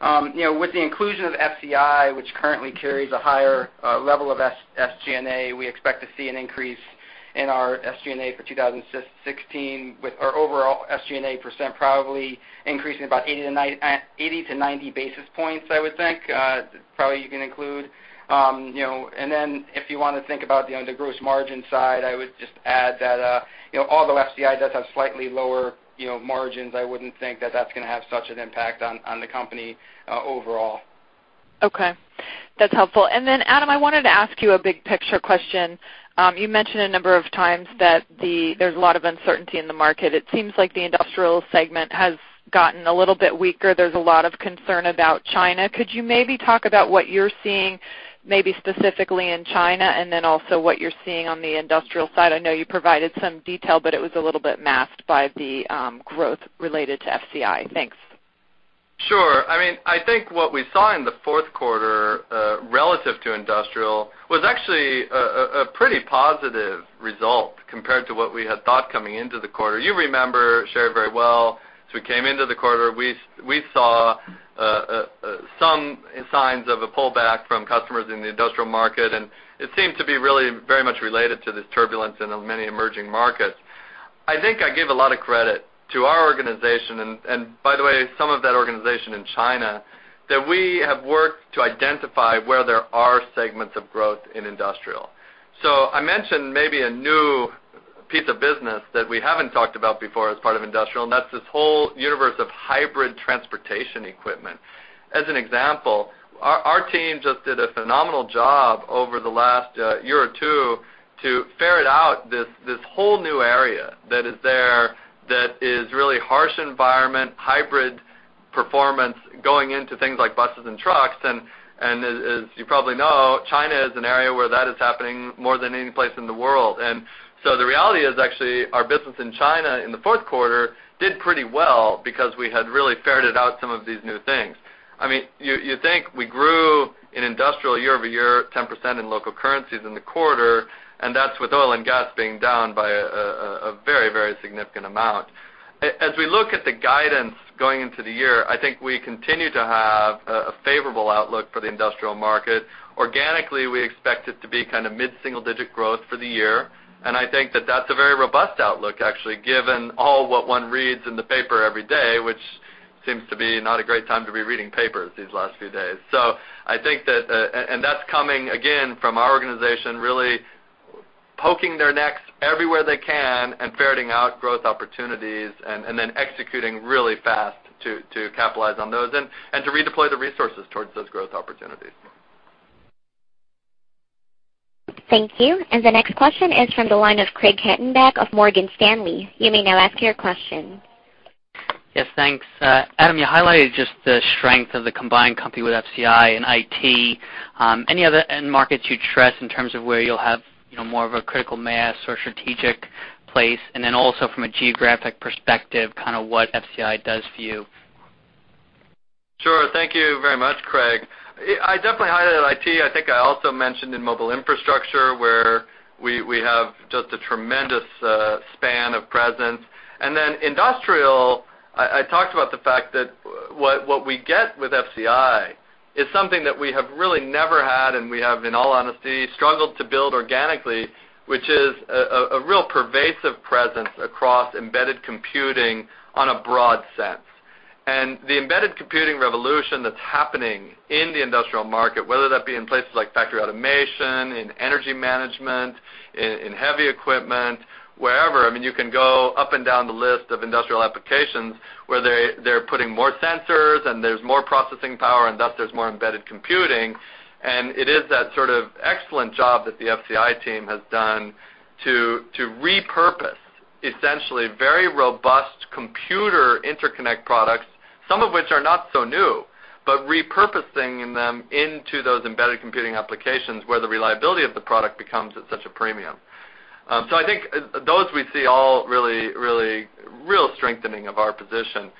You know, with the inclusion of FCI, which currently carries a higher level of SG&A, we expect to see an increase in our SG&A for 2016, with our overall SG&A percent probably increasing about 80-90 basis points, I would think. Probably you can include, you know... Then if you want to think about, you know, the gross margin side, I would just add that, you know, although FCI does have slightly lower, you know, margins, I wouldn't think that that's gonna have such an impact on the company overall. Okay, that's helpful. And then, Adam, I wanted to ask you a big picture question. You mentioned a number of times that there's a lot of uncertainty in the market. It seems like the industrial segment has gotten a little bit weaker. There's a lot of concern about China. Could you maybe talk about what you're seeing, maybe specifically in China, and then also what you're seeing on the industrial side? I know you provided some detail, but it was a little bit masked by the growth related to FCI. Thanks. Sure. I mean, I think what we saw in the fourth quarter relative to industrial was actually a pretty positive result compared to what we had thought coming into the quarter. You remember, Sherri, very well, as we came into the quarter, we saw some signs of a pullback from customers in the industrial market, and it seemed to be really very much related to this turbulence in the many emerging markets. I think I give a lot of credit to our organization, and by the way, some of that organization in China, that we have worked to identify where there are segments of growth in industrial. So I mentioned maybe a new piece of business that we haven't talked about before as part of industrial, and that's this whole universe of hybrid transportation equipment. As an example, our, our team just did a phenomenal job over the last, year or two to ferret out this, this whole new area that is there, that is really harsh environment, hybrid performance, going into things like buses and trucks. And, and as, as you probably know, China is an area where that is happening more than any place in the world. And so the reality is, actually, our business in China, in the fourth quarter, did pretty well because we had really ferreted out some of these new things. I mean, you, you think we grew in industrial year-over-year, 10% in local currencies in the quarter, and that's with oil and gas being down by a, a, a very, very significant amount. As we look at the guidance going into the year, I think we continue to have a favorable outlook for the industrial market. Organically, we expect it to be kind of mid-single-digit growth for the year, and I think that that's a very robust outlook, actually, given all what one reads in the paper every day, which seems to be not a great time to be reading papers these last few days. So I think that. And that's coming, again, from our organization really poking their necks everywhere they can and ferreting out growth opportunities and then executing really fast to capitalize on those and to redeploy the resources towards those growth opportunities. Thank you. The next question is from the line of Craig Hettenbach of Morgan Stanley. You may now ask your question. Yes, thanks. Adam, you highlighted just the strength of the combined company with FCI and IT. Any other end markets you'd trust in terms of where you'll have, you know, more of a critical mass or strategic place? And then also from a geographic perspective, kind of what FCI does for you. Sure. Thank you very much, Craig. I, I definitely highlighted IT. I think I also mentioned in mobile infrastructure, where we, we have just a tremendous span of presence. And then industrial, I, I talked about the fact that what we get with FCI is something that we have really never had, and we have, in all honesty, struggled to build organically, which is a real pervasive presence across embedded computing on a broad sense. And the embedded computing revolution that's happening in the industrial market, whether that be in places like factory automation, in energy management, in heavy equipment, wherever, I mean, you can go up and down the list of industrial applications where they're putting more sensors, and there's more processing power, and thus there's more embedded computing. It is that sort of excellent job that the FCI team has done to, to repurpose, essentially, very robust computer interconnect products, some of which are not so new, but repurposing them into those embedded computing applications, where the reliability of the product becomes at such a premium. So I think, those we see all really, really, real strengthening of our position.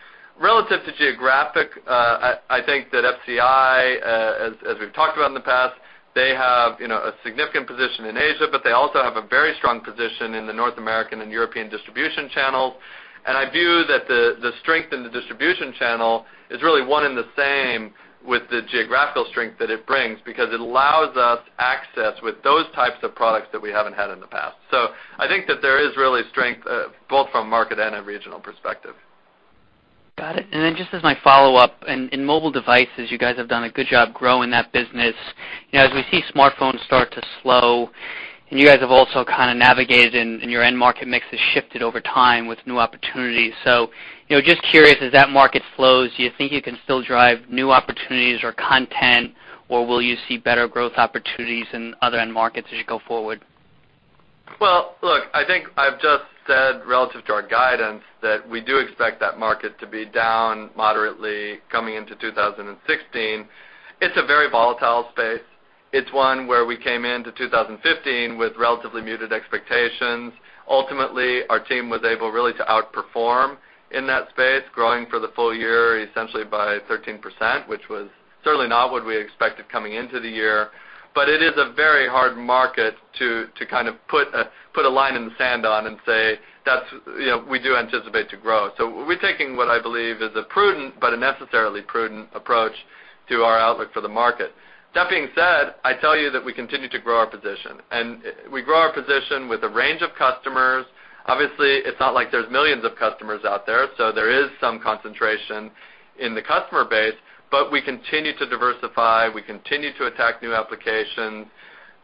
Relative to geographic, I, I think that FCI, as, as we've talked about in the past, they have, you know, a significant position in Asia, but they also have a very strong position in the North American and European distribution channels. I view that the, the strength in the distribution channel is really one and the same with the geographical strength that it brings, because it allows us access with those types of products that we haven't had in the past. I think that there is really strength both from market and a regional perspective. Got it. And then just as my follow-up, in mobile devices, you guys have done a good job growing that business. You know, as we see smartphones start to slow, and you guys have also kind of navigated and your end market mix has shifted over time with new opportunities. So, you know, just curious, as that market slows, do you think you can still drive new opportunities or content, or will you see better growth opportunities in other end markets as you go forward? Well, look, I think I've just said, relative to our guidance, that we do expect that market to be down moderately coming into 2016. It's a very volatile space. It's one where we came into 2015 with relatively muted expectations. Ultimately, our team was able really to outperform in that space, growing for the full year, essentially by 13%, which was certainly not what we expected coming into the year. But it is a very hard market to kind of put a line in the sand on and say, "That's, you know, we do anticipate to grow." So we're taking what I believe is a prudent, but a necessarily prudent approach to our outlook for the market. That being said, I tell you that we continue to grow our position, and we grow our position with a range of customers. Obviously, it's not like there's millions of customers out there, so there is some concentration in the customer base, but we continue to diversify. We continue to attack new applications.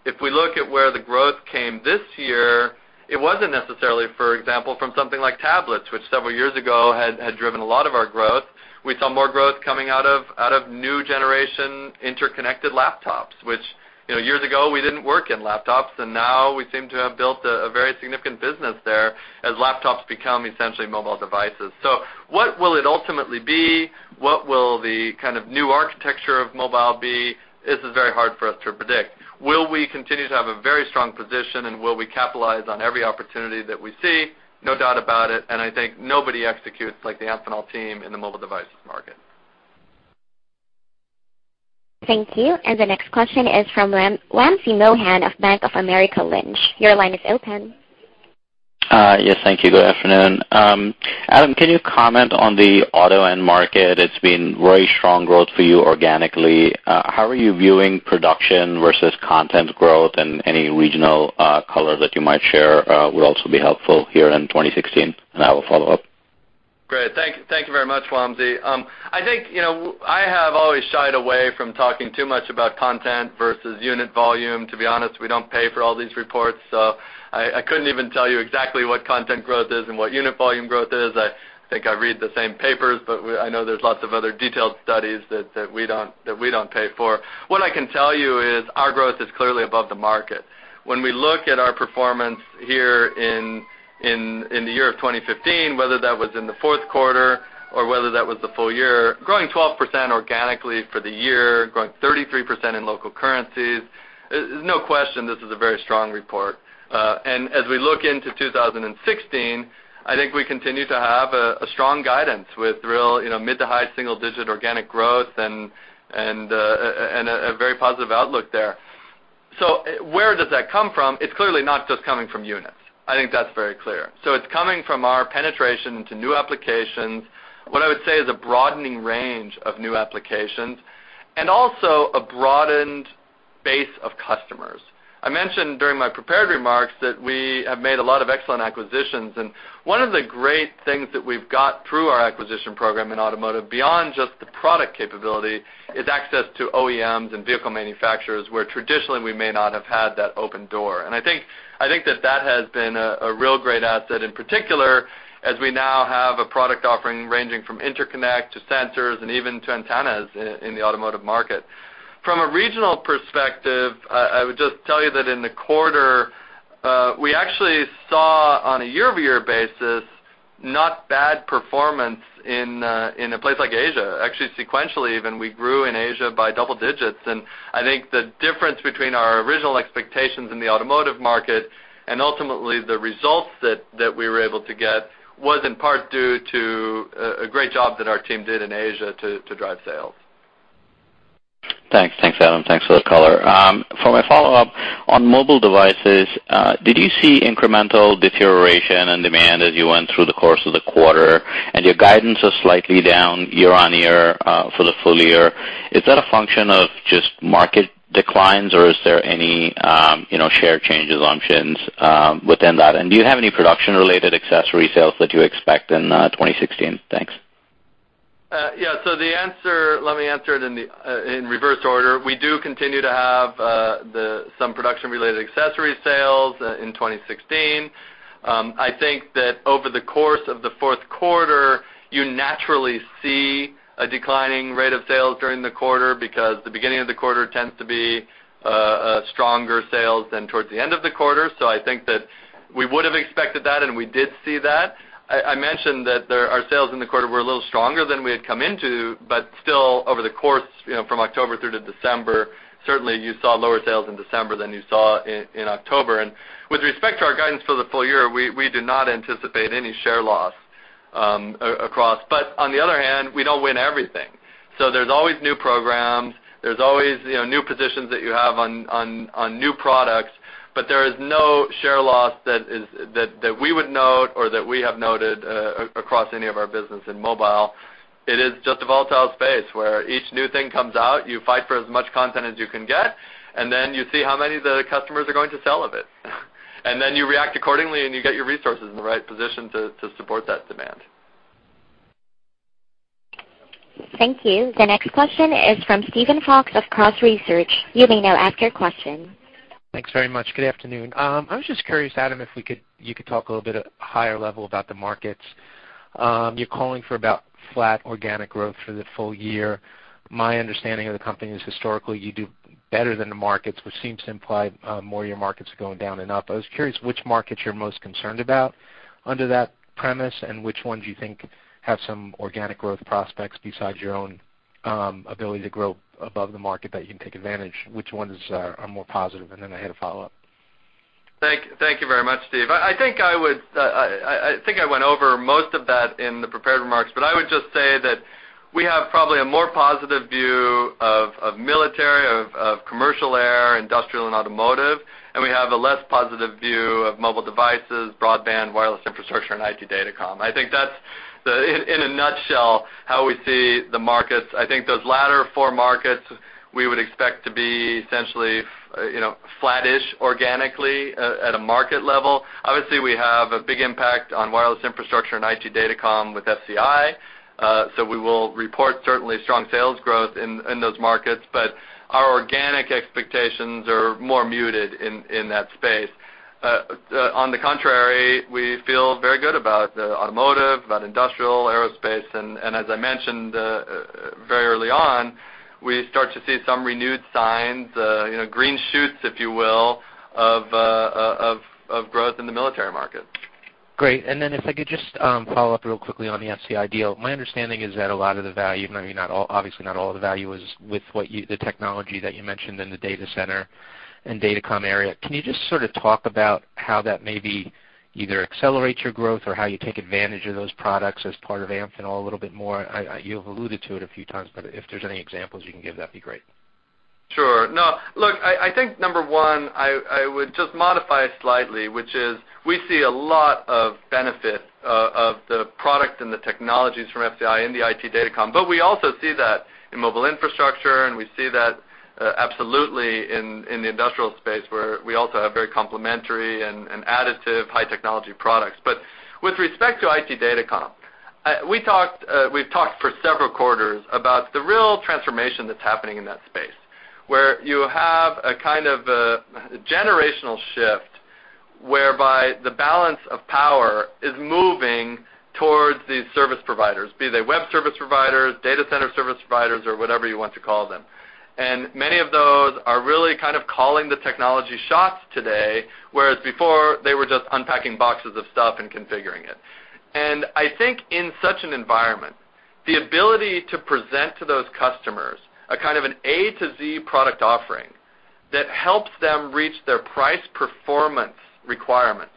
If we look at where the growth came this year, it wasn't necessarily, for example, from something like tablets, which several years ago had driven a lot of our growth. We saw more growth coming out of new generation interconnected laptops, which, you know, years ago, we didn't work in laptops, and now we seem to have built a very significant business there as laptops become essentially mobile devices. So what will it ultimately be? What will the kind of new architecture of mobile be? This is very hard for us to predict. Will we continue to have a very strong position, and will we capitalize on every opportunity that we see? No doubt about it, and I think nobody executes like the Amphenol team in the mobile devices market. Thank you. And the next question is from Wamsi Mohan of Bank of America Merrill Lynch. Your line is open. Yes, thank you. Good afternoon. Adam, can you comment on the auto end market? It's been very strong growth for you organically. How are you viewing production versus content growth, and any regional color that you might share would also be helpful here in 2016, and I have a follow-up. Great. Thank, thank you very much, Wamsi. I think, you know, I have always shied away from talking too much about content versus unit volume. To be honest, we don't pay for all these reports, so I, I couldn't even tell you exactly what content growth is and what unit volume growth is. I think I read the same papers, but we-- I know there's lots of other detailed studies that we don't pay for. What I can tell you is our growth is clearly above the market. When we look at our performance here in the year of 2015, whether that was in the fourth quarter or whether that was the full year, growing 12% organically for the year, growing 33% in local currencies, there's no question this is a very strong report. And as we look into 2016, I think we continue to have a strong guidance with real, you know, mid- to high-single-digit organic growth and a very positive outlook there. So where does that come from? It's clearly not just coming from units. I think that's very clear. So it's coming from our penetration into new applications. What I would say is a broadening range of new applications and also a broadened base of customers. I mentioned during my prepared remarks that we have made a lot of excellent acquisitions, and one of the great things that we've got through our acquisition program in automotive, beyond just the product capability, is access to OEMs and vehicle manufacturers, where traditionally we may not have had that open door. I think that has been a real great asset, in particular, as we now have a product offering ranging from interconnect to sensors and even to antennas in the automotive market. From a regional perspective, I would just tell you that in the quarter, we actually saw, on a year-over-year basis, not bad performance in a place like Asia. Actually, sequentially, even, we grew in Asia by double digits, and I think the difference between our original expectations in the automotive market and ultimately the results that we were able to get was in part due to a great job that our team did in Asia to drive sales. Thanks. Thanks, Adam. Thanks for the color. For my follow-up, on mobile devices, did you see incremental deterioration in demand as you went through the course of the quarter? And your guidance is slightly down year-on-year, for the full year. Is that a function of just market declines, or is there any, you know, share changes, functions, within that? And do you have any production-related accessory sales that you expect in 2016? Thanks. Yeah, so the answer, let me answer it in the in reverse order. We do continue to have some production-related accessory sales in 2016. I think that over the course of the fourth quarter, you naturally see a declining rate of sales during the quarter because the beginning of the quarter tends to be a stronger sales than towards the end of the quarter. So I think that we would have expected that, and we did see that. I mentioned that there, our sales in the quarter were a little stronger than we had come into, but still over the course, you know, from October through to December, certainly you saw lower sales in December than you saw in October. And with respect to our guidance for the full year, we do not anticipate any share loss across. But on the other hand, we don't win everything. So there's always new programs, there's always, you know, new positions that you have on new products, but there is no share loss that we would note or that we have noted across any of our business in mobile. It is just a volatile space where each new thing comes out, you fight for as much content as you can get, and then you see how many the customers are going to sell of it. And then you react accordingly, and you get your resources in the right position to support that demand. Thank you. The next question is from Steven Fox of Cross Research. You may now ask your question. Thanks very much. Good afternoon. I was just curious, Adam, if you could talk a little bit at higher level about the markets. You're calling for about flat organic growth for the full year. My understanding of the company is historically you do better than the markets, which seems to imply more of your markets are going down and up. I was curious which markets you're most concerned about under that premise, and which ones you think have some organic growth prospects besides your own ability to grow above the market that you can take advantage, which ones are more positive? And then I had a follow-up. Thank you very much, Steve. I think I would, I think I went over most of that in the prepared remarks, but I would just say that we have probably a more positive view of military, commercial air, industrial, and automotive, and we have a less positive view of mobile devices, broadband, wireless infrastructure, and IT Datacom. I think that's, in a nutshell, how we see the markets. I think those latter four markets, we would expect to be essentially, you know, flattish organically at a market level. Obviously, we have a big impact on wireless infrastructure and IT Datacom with FCI. So we will report certainly strong sales growth in those markets, but our organic expectations are more muted in that space. On the contrary, we feel very good about the automotive, about industrial, aerospace, and as I mentioned, very early on, we start to see some renewed signs, you know, green shoots, if you will, of growth in the military market. Great. And then if I could just follow up real quickly on the FCI deal. My understanding is that a lot of the value, maybe not all, obviously not all of the value is with what you, the technology that you mentioned in the data center and Datacom area. Can you just sort of talk about how that maybe either accelerates your growth or how you take advantage of those products as part of Amphenol a little bit more? You've alluded to it a few times, but if there's any examples you can give, that'd be great. Sure. No, look, I, I think number one, I, I would just modify it slightly, which is we see a lot of benefit of the product and the technologies from FCI in the IT Datacom, but we also see that in mobile infrastructure, and we see that absolutely in the industrial space, where we also have very complementary and, and additive high technology products. But with respect to IT Datacom, I, we talked, we've talked for several quarters about the real transformation that's happening in that space, where you have a kind of a generational shift, whereby the balance of power is moving towards these service providers, be they web service providers, data center service providers, or whatever you want to call them. Many of those are really kind of calling the technology shots today, whereas before, they were just unpacking boxes of stuff and configuring it. I think in such an environment, the ability to present to those customers a kind of an A to Z product offering that helps them reach their price performance requirements,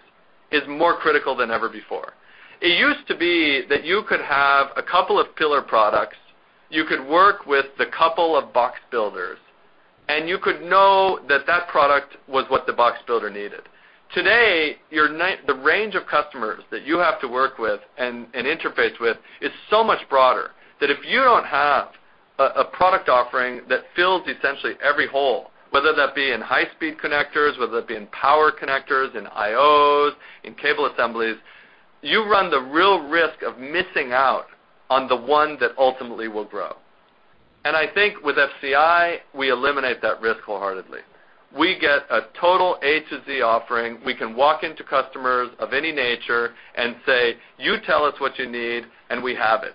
is more critical than ever before. It used to be that you could have a couple of pillar products, you could work with the couple of box builders, and you could know that that product was what the box builder needed. Today, you're in the range of customers that you have to work with and interface with is so much broader, that if you don't have a product offering that fills essentially every hole, whether that be in high-speed connectors, whether it be in power connectors, in I/Os, in cable assemblies, you run the real risk of missing out on the one that ultimately will grow. And I think with FCI, we eliminate that risk wholeheartedly. We get a total A to Z offering. We can walk into customers of any nature and say: You tell us what you need, and we have it,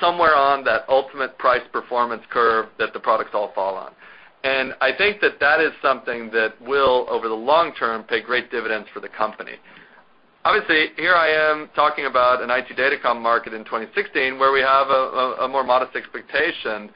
somewhere on that ultimate price-performance curve that the products all fall on. And I think that that is something that will, over the long term, pay great dividends for the company. Obviously, here I am talking about an IT Datacom market in 2016, where we have a more modest expectation,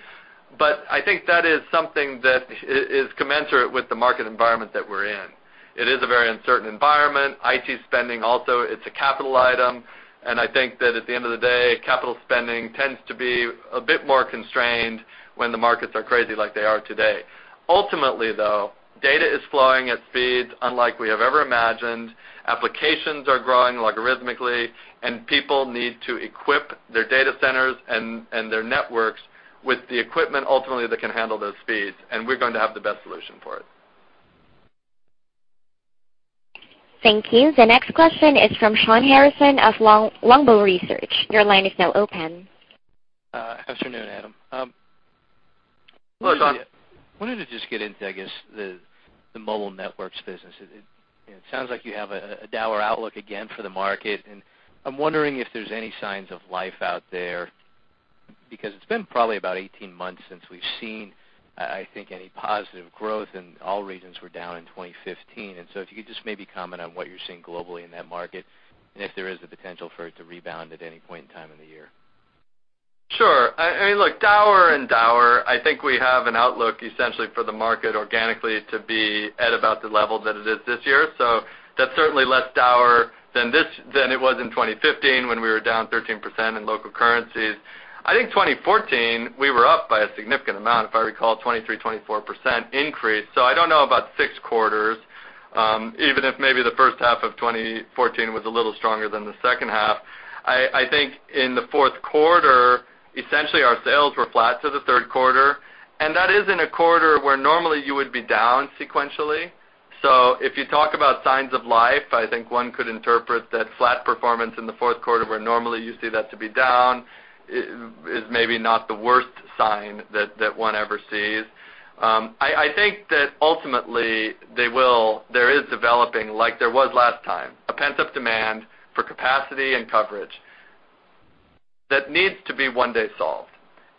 but I think that is something that is commensurate with the market environment that we're in. It is a very uncertain environment. IT spending also, it's a capital item, and I think that at the end of the day, capital spending tends to be a bit more constrained when the markets are crazy like they are today. Ultimately, though, data is flowing at speeds unlike we have ever imagined, applications are growing logarithmically, and people need to equip their data centers and their networks with the equipment, ultimately, that can handle those speeds, and we're going to have the best solution for it. Thank you. The next question is from Shawn Harrison of Longbow Research. Your line is now open. Afternoon, Adam. Hello, Shawn. Wanted to just get into, I guess, the mobile networks business. It sounds like you have a dour outlook again for the market, and I'm wondering if there's any signs of life out there, because it's been probably about 18 months since we've seen, I think, any positive growth, and all regions were down in 2015. And so if you could just maybe comment on what you're seeing globally in that market, and if there is the potential for it to rebound at any point in time in the year. Sure. I mean, look, dour and dour, I think we have an outlook, essentially, for the market organically to be at about the level that it is this year. So that's certainly less dour than this—than it was in 2015, when we were down 13% in local currencies. I think 2014, we were up by a significant amount. If I recall, 23%-24% increase. So I don't know about six quarters, even if maybe the first half of 2014 was a little stronger than the second half. I think in the fourth quarter, essentially, our sales were flat to the third quarter, and that is in a quarter where normally you would be down sequentially. So if you talk about signs of life, I think one could interpret that flat performance in the fourth quarter, where normally you see that to be down, is maybe not the worst sign that one ever sees. I think that ultimately, there is developing, like there was last time, a pent-up demand for capacity and coverage that needs to be one day solved.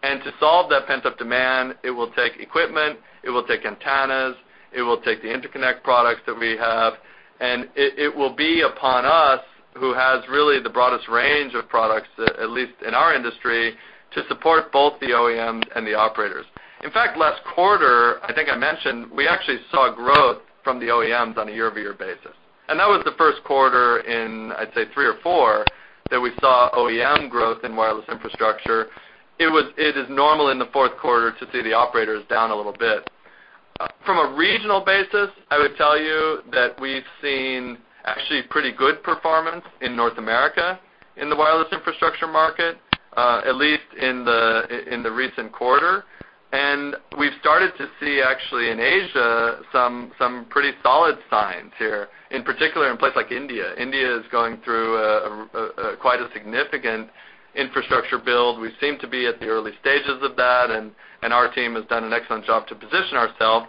And to solve that pent-up demand, it will take equipment, it will take antennas, it will take the interconnect products that we have, and it will be upon us, who has really the broadest range of products, at least in our industry, to support both the OEMs and the operators. In fact, last quarter, I think I mentioned, we actually saw growth from the OEMs on a year-over-year basis, and that was the first quarter in, I'd say, three or four, that we saw OEM growth in wireless infrastructure. It is normal in the fourth quarter to see the operators down a little bit. From a regional basis, I would tell you that we've seen actually pretty good performance in North America in the wireless infrastructure market, at least in the recent quarter. And we've started to see, actually, in Asia, some pretty solid signs here, in particular, in places like India. India is going through quite a significant infrastructure build. We seem to be at the early stages of that, and our team has done an excellent job to position ourselves.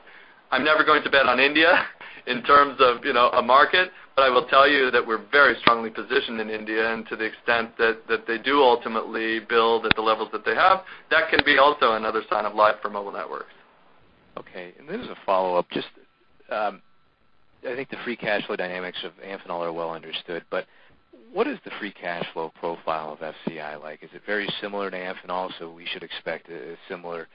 I'm never going to bet on India in terms of, you know, a market, but I will tell you that we're very strongly positioned in India, and to the extent that they do ultimately build at the levels that they have, that can be also another sign of life for mobile networks. Okay. And then as a follow-up, just, I think the free cash flow dynamics of Amphenol are well understood, but what is the free cash flow profile of FCI like? Is it very similar to Amphenol, so we should expect a similar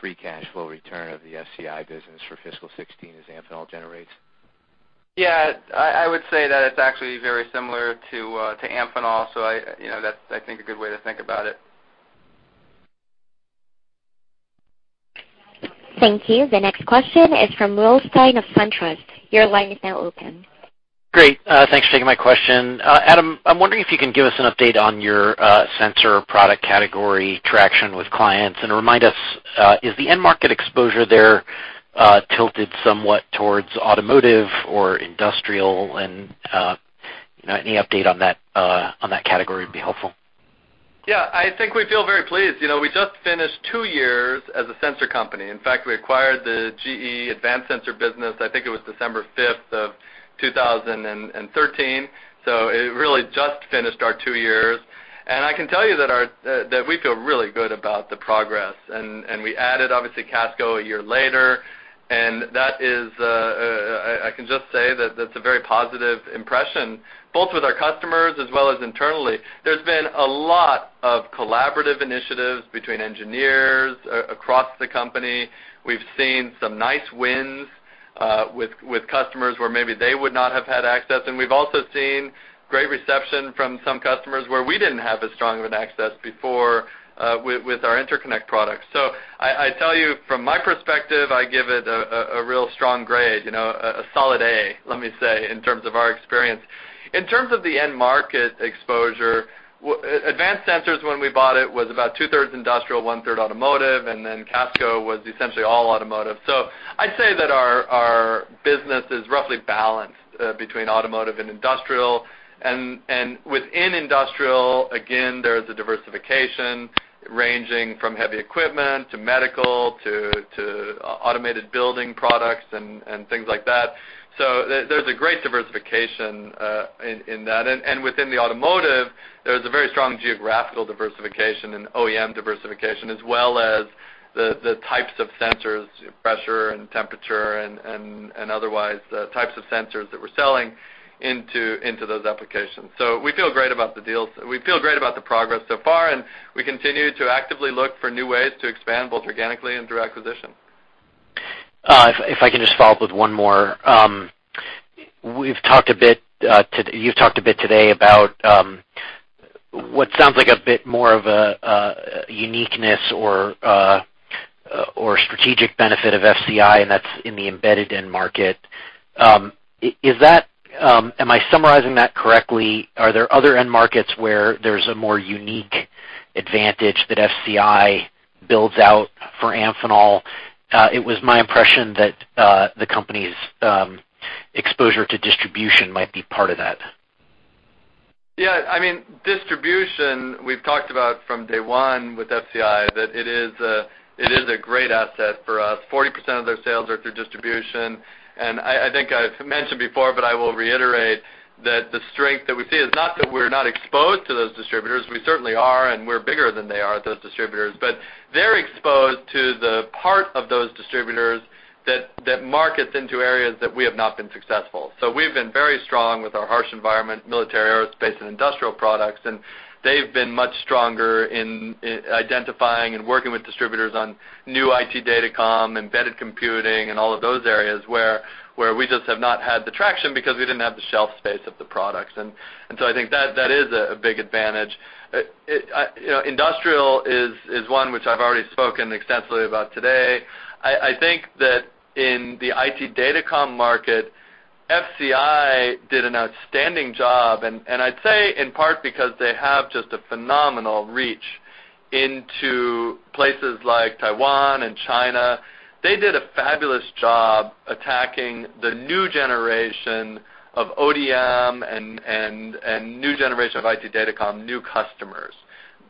free cash flow return of the FCI business for fiscal 2016 as Amphenol generates? Yeah, I would say that it's actually very similar to Amphenol. So, you know, that's, I think, a good way to think about it. Thank you. The next question is from William Stein of SunTrust. Your line is now open. Great, thanks for taking my question. Adam, I'm wondering if you can give us an update on your sensor product category traction with clients. And remind us, is the end market exposure there, tilted somewhat towards automotive or industrial? And, any update on that, on that category would be helpful. Yeah, I think we feel very pleased. You know, we just finished two years as a sensor company. In fact, we acquired the GE Advanced Sensors business, I think it was December 5th of 2013. So it really just finished our two years. And I can tell you that our, that we feel really good about the progress, and we added, obviously, Casco a year later. And that is, I can just say that that's a very positive impression, both with our customers as well as internally. There's been a lot of collaborative initiatives between engineers across the company. We've seen some nice wins with customers where maybe they would not have had access, and we've also seen great reception from some customers where we didn't have as strong of an access before with our interconnect products. So I tell you, from my perspective, I give it a real strong grade, you know, a solid A, let me say, in terms of our experience. In terms of the end market exposure, Advanced Sensors, when we bought it, was about 2/3 industrial, 1/3 automotive, and then Casco was essentially all automotive. So I'd say that our business is roughly balanced between automotive and industrial. And within industrial, again, there's a diversification ranging from heavy equipment to medical to automated building products and things like that. So there's a great diversification in that. And within the automotive, there's a very strong geographical diversification and OEM diversification, as well as the types of sensors, pressure and temperature and otherwise types of sensors that we're selling into those applications. So we feel great about the deals. We feel great about the progress so far, and we continue to actively look for new ways to expand, both organically and through acquisition. If I can just follow up with one more. We've talked a bit, you've talked a bit today about what sounds like a bit more of a uniqueness or strategic benefit of FCI, and that's in the embedded end market. Is that... Am I summarizing that correctly? Are there other end markets where there's a more unique advantage that FCI builds out for Amphenol? It was my impression that the company's exposure to distribution might be part of that. Yeah, I mean, distribution, we've talked about from day one with FCI, that it is a great asset for us. 40% of their sales are through distribution, and I think I've mentioned before, but I will reiterate, that the strength that we see is not that we're not exposed to those distributors, we certainly are, and we're bigger than they are, those distributors. But they're exposed to the part of those distributors that markets into areas that we have not been successful. So we've been very strong with our harsh environment, military, aerospace, and industrial products, and they've been much stronger in identifying and working with distributors on new IT Datacom, embedded computing, and all of those areas where we just have not had the traction because we didn't have the shelf space of the products. And so I think that is a big advantage. You know, industrial is one which I've already spoken extensively about today. I think that in the IT Datacom market, FCI did an outstanding job, and I'd say in part because they have just a phenomenal reach into places like Taiwan and China. They did a fabulous job attacking the new generation of ODM and new generation of IT Datacom, new customers.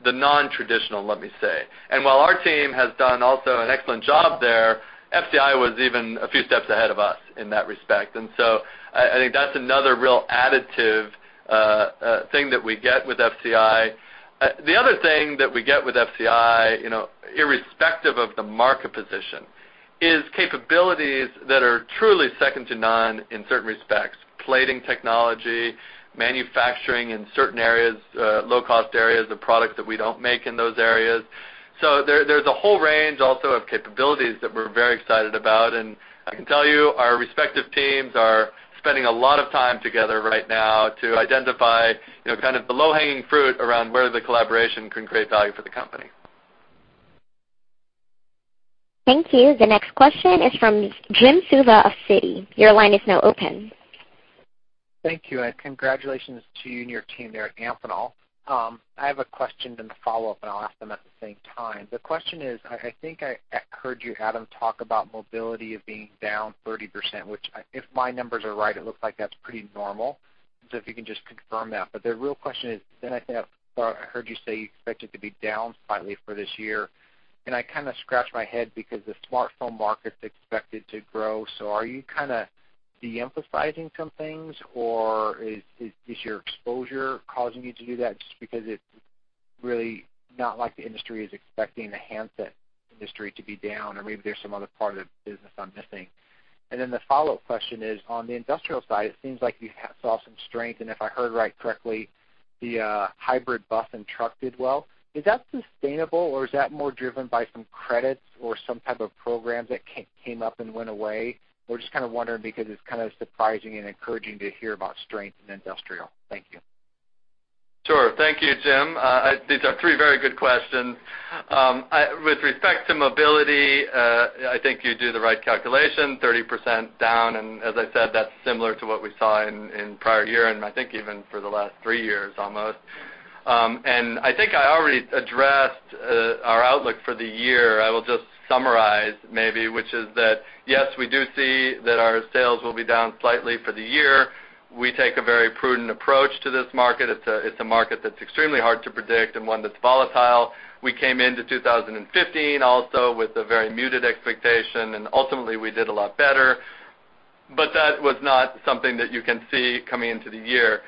The non-traditional, let me say. And while our team has done also an excellent job there, FCI was even a few steps ahead of us in that respect. And so I think that's another real additive thing that we get with FCI. The other thing that we get with FCI, you know, irrespective of the market position, is capabilities that are truly second to none in certain respects, plating technology, manufacturing in certain areas, low-cost areas of product that we don't make in those areas. So, there’s a whole range also of capabilities that we’re very excited about, and I can tell you, our respective teams are spending a lot of time together right now to identify, you know, kind of the low-hanging fruit around where the collaboration can create value for the company. Thank you. The next question is from Jim Suva of Citi. Your line is now open. Thank you, and congratulations to you and your team there at Amphenol. I have a question and a follow-up, and I'll ask them at the same time. The question is, I think I heard you, Adam, talk about mobility of being down 30%, which, if my numbers are right, it looks like that's pretty normal. So if you can just confirm that. But the real question is, then I think I heard you say you expect it to be down slightly for this year, and I kind of scratched my head because the smartphone market's expected to grow. So are you kind of de-emphasizing some things, or is your exposure causing you to do that? Just because it's really not like the industry is expecting the handset industry to be down, or maybe there's some other part of the business I'm missing. And then the follow-up question is, on the industrial side, it seems like you have saw some strength, and if I heard right correctly, the hybrid bus and truck did well. Is that sustainable, or is that more driven by some credits or some type of programs that came up and went away? We're just kind of wondering because it's kind of surprising and encouraging to hear about strength in industrial. Thank you. Sure. Thank you, Jim. These are three very good questions. With respect to mobility, I think you do the right calculation, 30% down, and as I said, that's similar to what we saw in prior year, and I think even for the last three years, almost. I think I already addressed our outlook for the year. I will just summarize maybe, which is that, yes, we do see that our sales will be down slightly for the year. We take a very prudent approach to this market. It's a market that's extremely hard to predict and one that's volatile. We came into 2015 also with a very muted expectation, and ultimately we did a lot better. But that was not something that you can see coming into the year.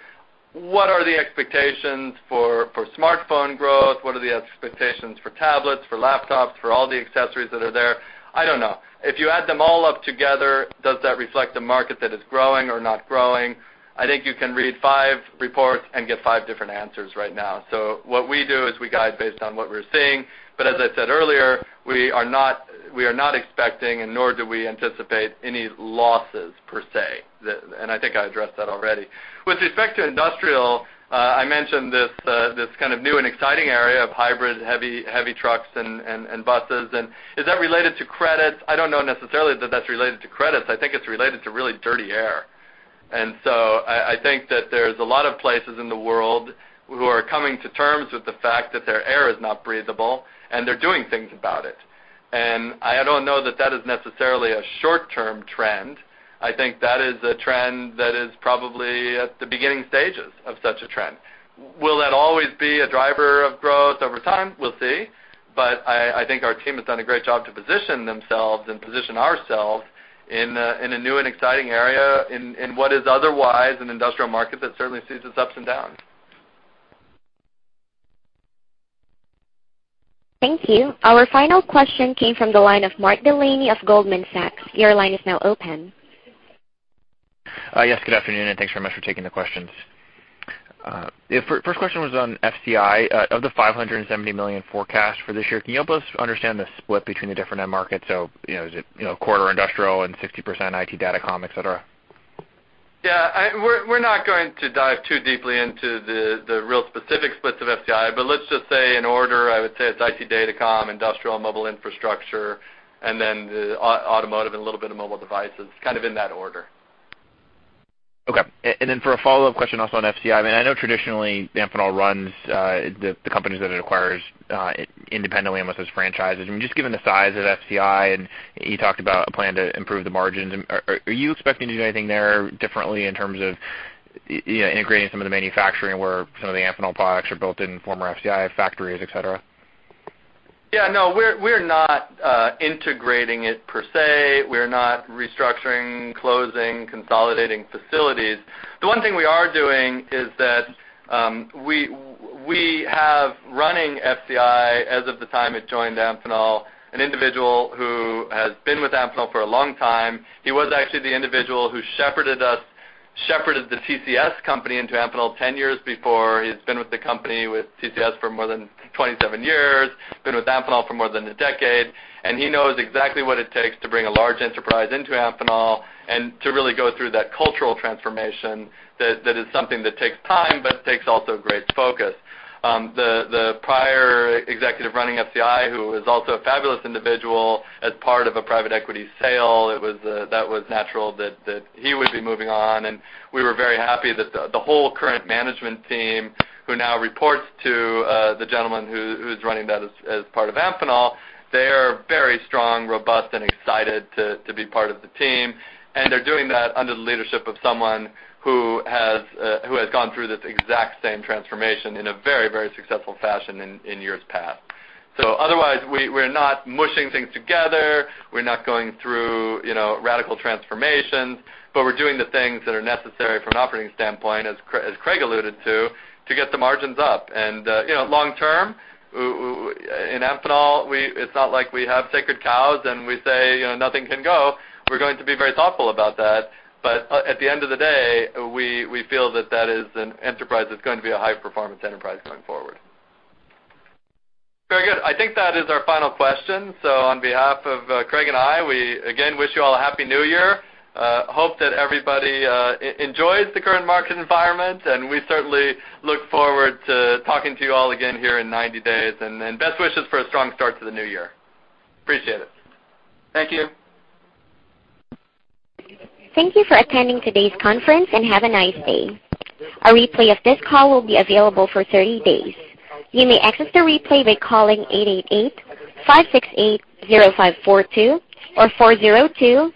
What are the expectations for smartphone growth? What are the expectations for tablets, for laptops, for all the accessories that are there? I don't know. If you add them all up together, does that reflect a market that is growing or not growing? I think you can read five reports and get five different answers right now. So what we do is we guide based on what we're seeing. But as I said earlier, we are not expecting and nor do we anticipate any losses per se. And I think I addressed that already. With respect to industrial, I mentioned this kind of new and exciting area of hybrid heavy trucks and buses. And is that related to credits? I don't know necessarily that that's related to credits. I think it's related to really dirty air. I, I think that there's a lot of places in the world who are coming to terms with the fact that their air is not breathable, and they're doing things about it. I don't know that that is necessarily a short-term trend. I think that is a trend that is probably at the beginning stages of such a trend. Will that always be a driver of growth over time? We'll see. I, I think our team has done a great job to position themselves and position ourselves in a, in a new and exciting area in, in what is otherwise an industrial market that certainly sees its ups and downs. Thank you. Our final question came from the line of Mark Delaney of Goldman Sachs. Your line is now open. Yes, good afternoon, and thanks very much for taking the questions. The first, first question was on FCI. Of the $570 million forecast for this year, can you help us understand the split between the different end markets? So, you know, is it, you know, quarter industrial and 60% IT Datacom, et cetera? Yeah, we're not going to dive too deeply into the real specific splits of FCI, but let's just say in order, I would say it's IT Datacom, industrial, mobile infrastructure, and then the automotive and a little bit of mobile devices, kind of in that order. Okay. And then for a follow-up question also on FCI, I mean, I know traditionally Amphenol runs the companies that it acquires independently amongst its franchises. I mean, just given the size of FCI, and you talked about a plan to improve the margins, and are you expecting to do anything there differently in terms of, you know, integrating some of the manufacturing where some of the Amphenol products are built in former FCI factories, et cetera? Yeah, no, we're not integrating it per se. We're not restructuring, closing, consolidating facilities. The one thing we are doing is that we have running FCI as of the time it joined Amphenol an individual who has been with Amphenol for a long time. He was actually the individual who shepherded the TCS company into Amphenol 10 years before. He's been with the company, with TCS, for more than 27 years, been with Amphenol for more than a decade, and he knows exactly what it takes to bring a large enterprise into Amphenol and to really go through that cultural transformation that is something that takes time, but takes also great focus. The prior executive running FCI, who is also a fabulous individual, as part of a private equity sale, it was natural that he would be moving on. And we were very happy that the whole current management team, who now reports to the gentleman who is running that as part of Amphenol, they are very strong, robust, and excited to be part of the team. And they're doing that under the leadership of someone who has gone through this exact same transformation in a very successful fashion in years past. So otherwise, we're not mushing things together. We're not going through, you know, radical transformations, but we're doing the things that are necessary from an operating standpoint, as Craig alluded to, to get the margins up. You know, long term, in Amphenol, we... It's not like we have sacred cows, and we say, you know, nothing can go. We're going to be very thoughtful about that. But, at the end of the day, we, we feel that that is an enterprise that's going to be a high-performance enterprise going forward. Very good. I think that is our final question. So on behalf of, Craig and I, we again wish you all a Happy New Year. Hope that everybody enjoys the current market environment, and we certainly look forward to talking to you all again here in 90 days. And then best wishes for a strong start to the new year. Appreciate it. Thank you. Thank you for attending today's conference, and have a nice day. A replay of this call will be available for 30 days. You may access the replay by calling 888-568-0542 or 402-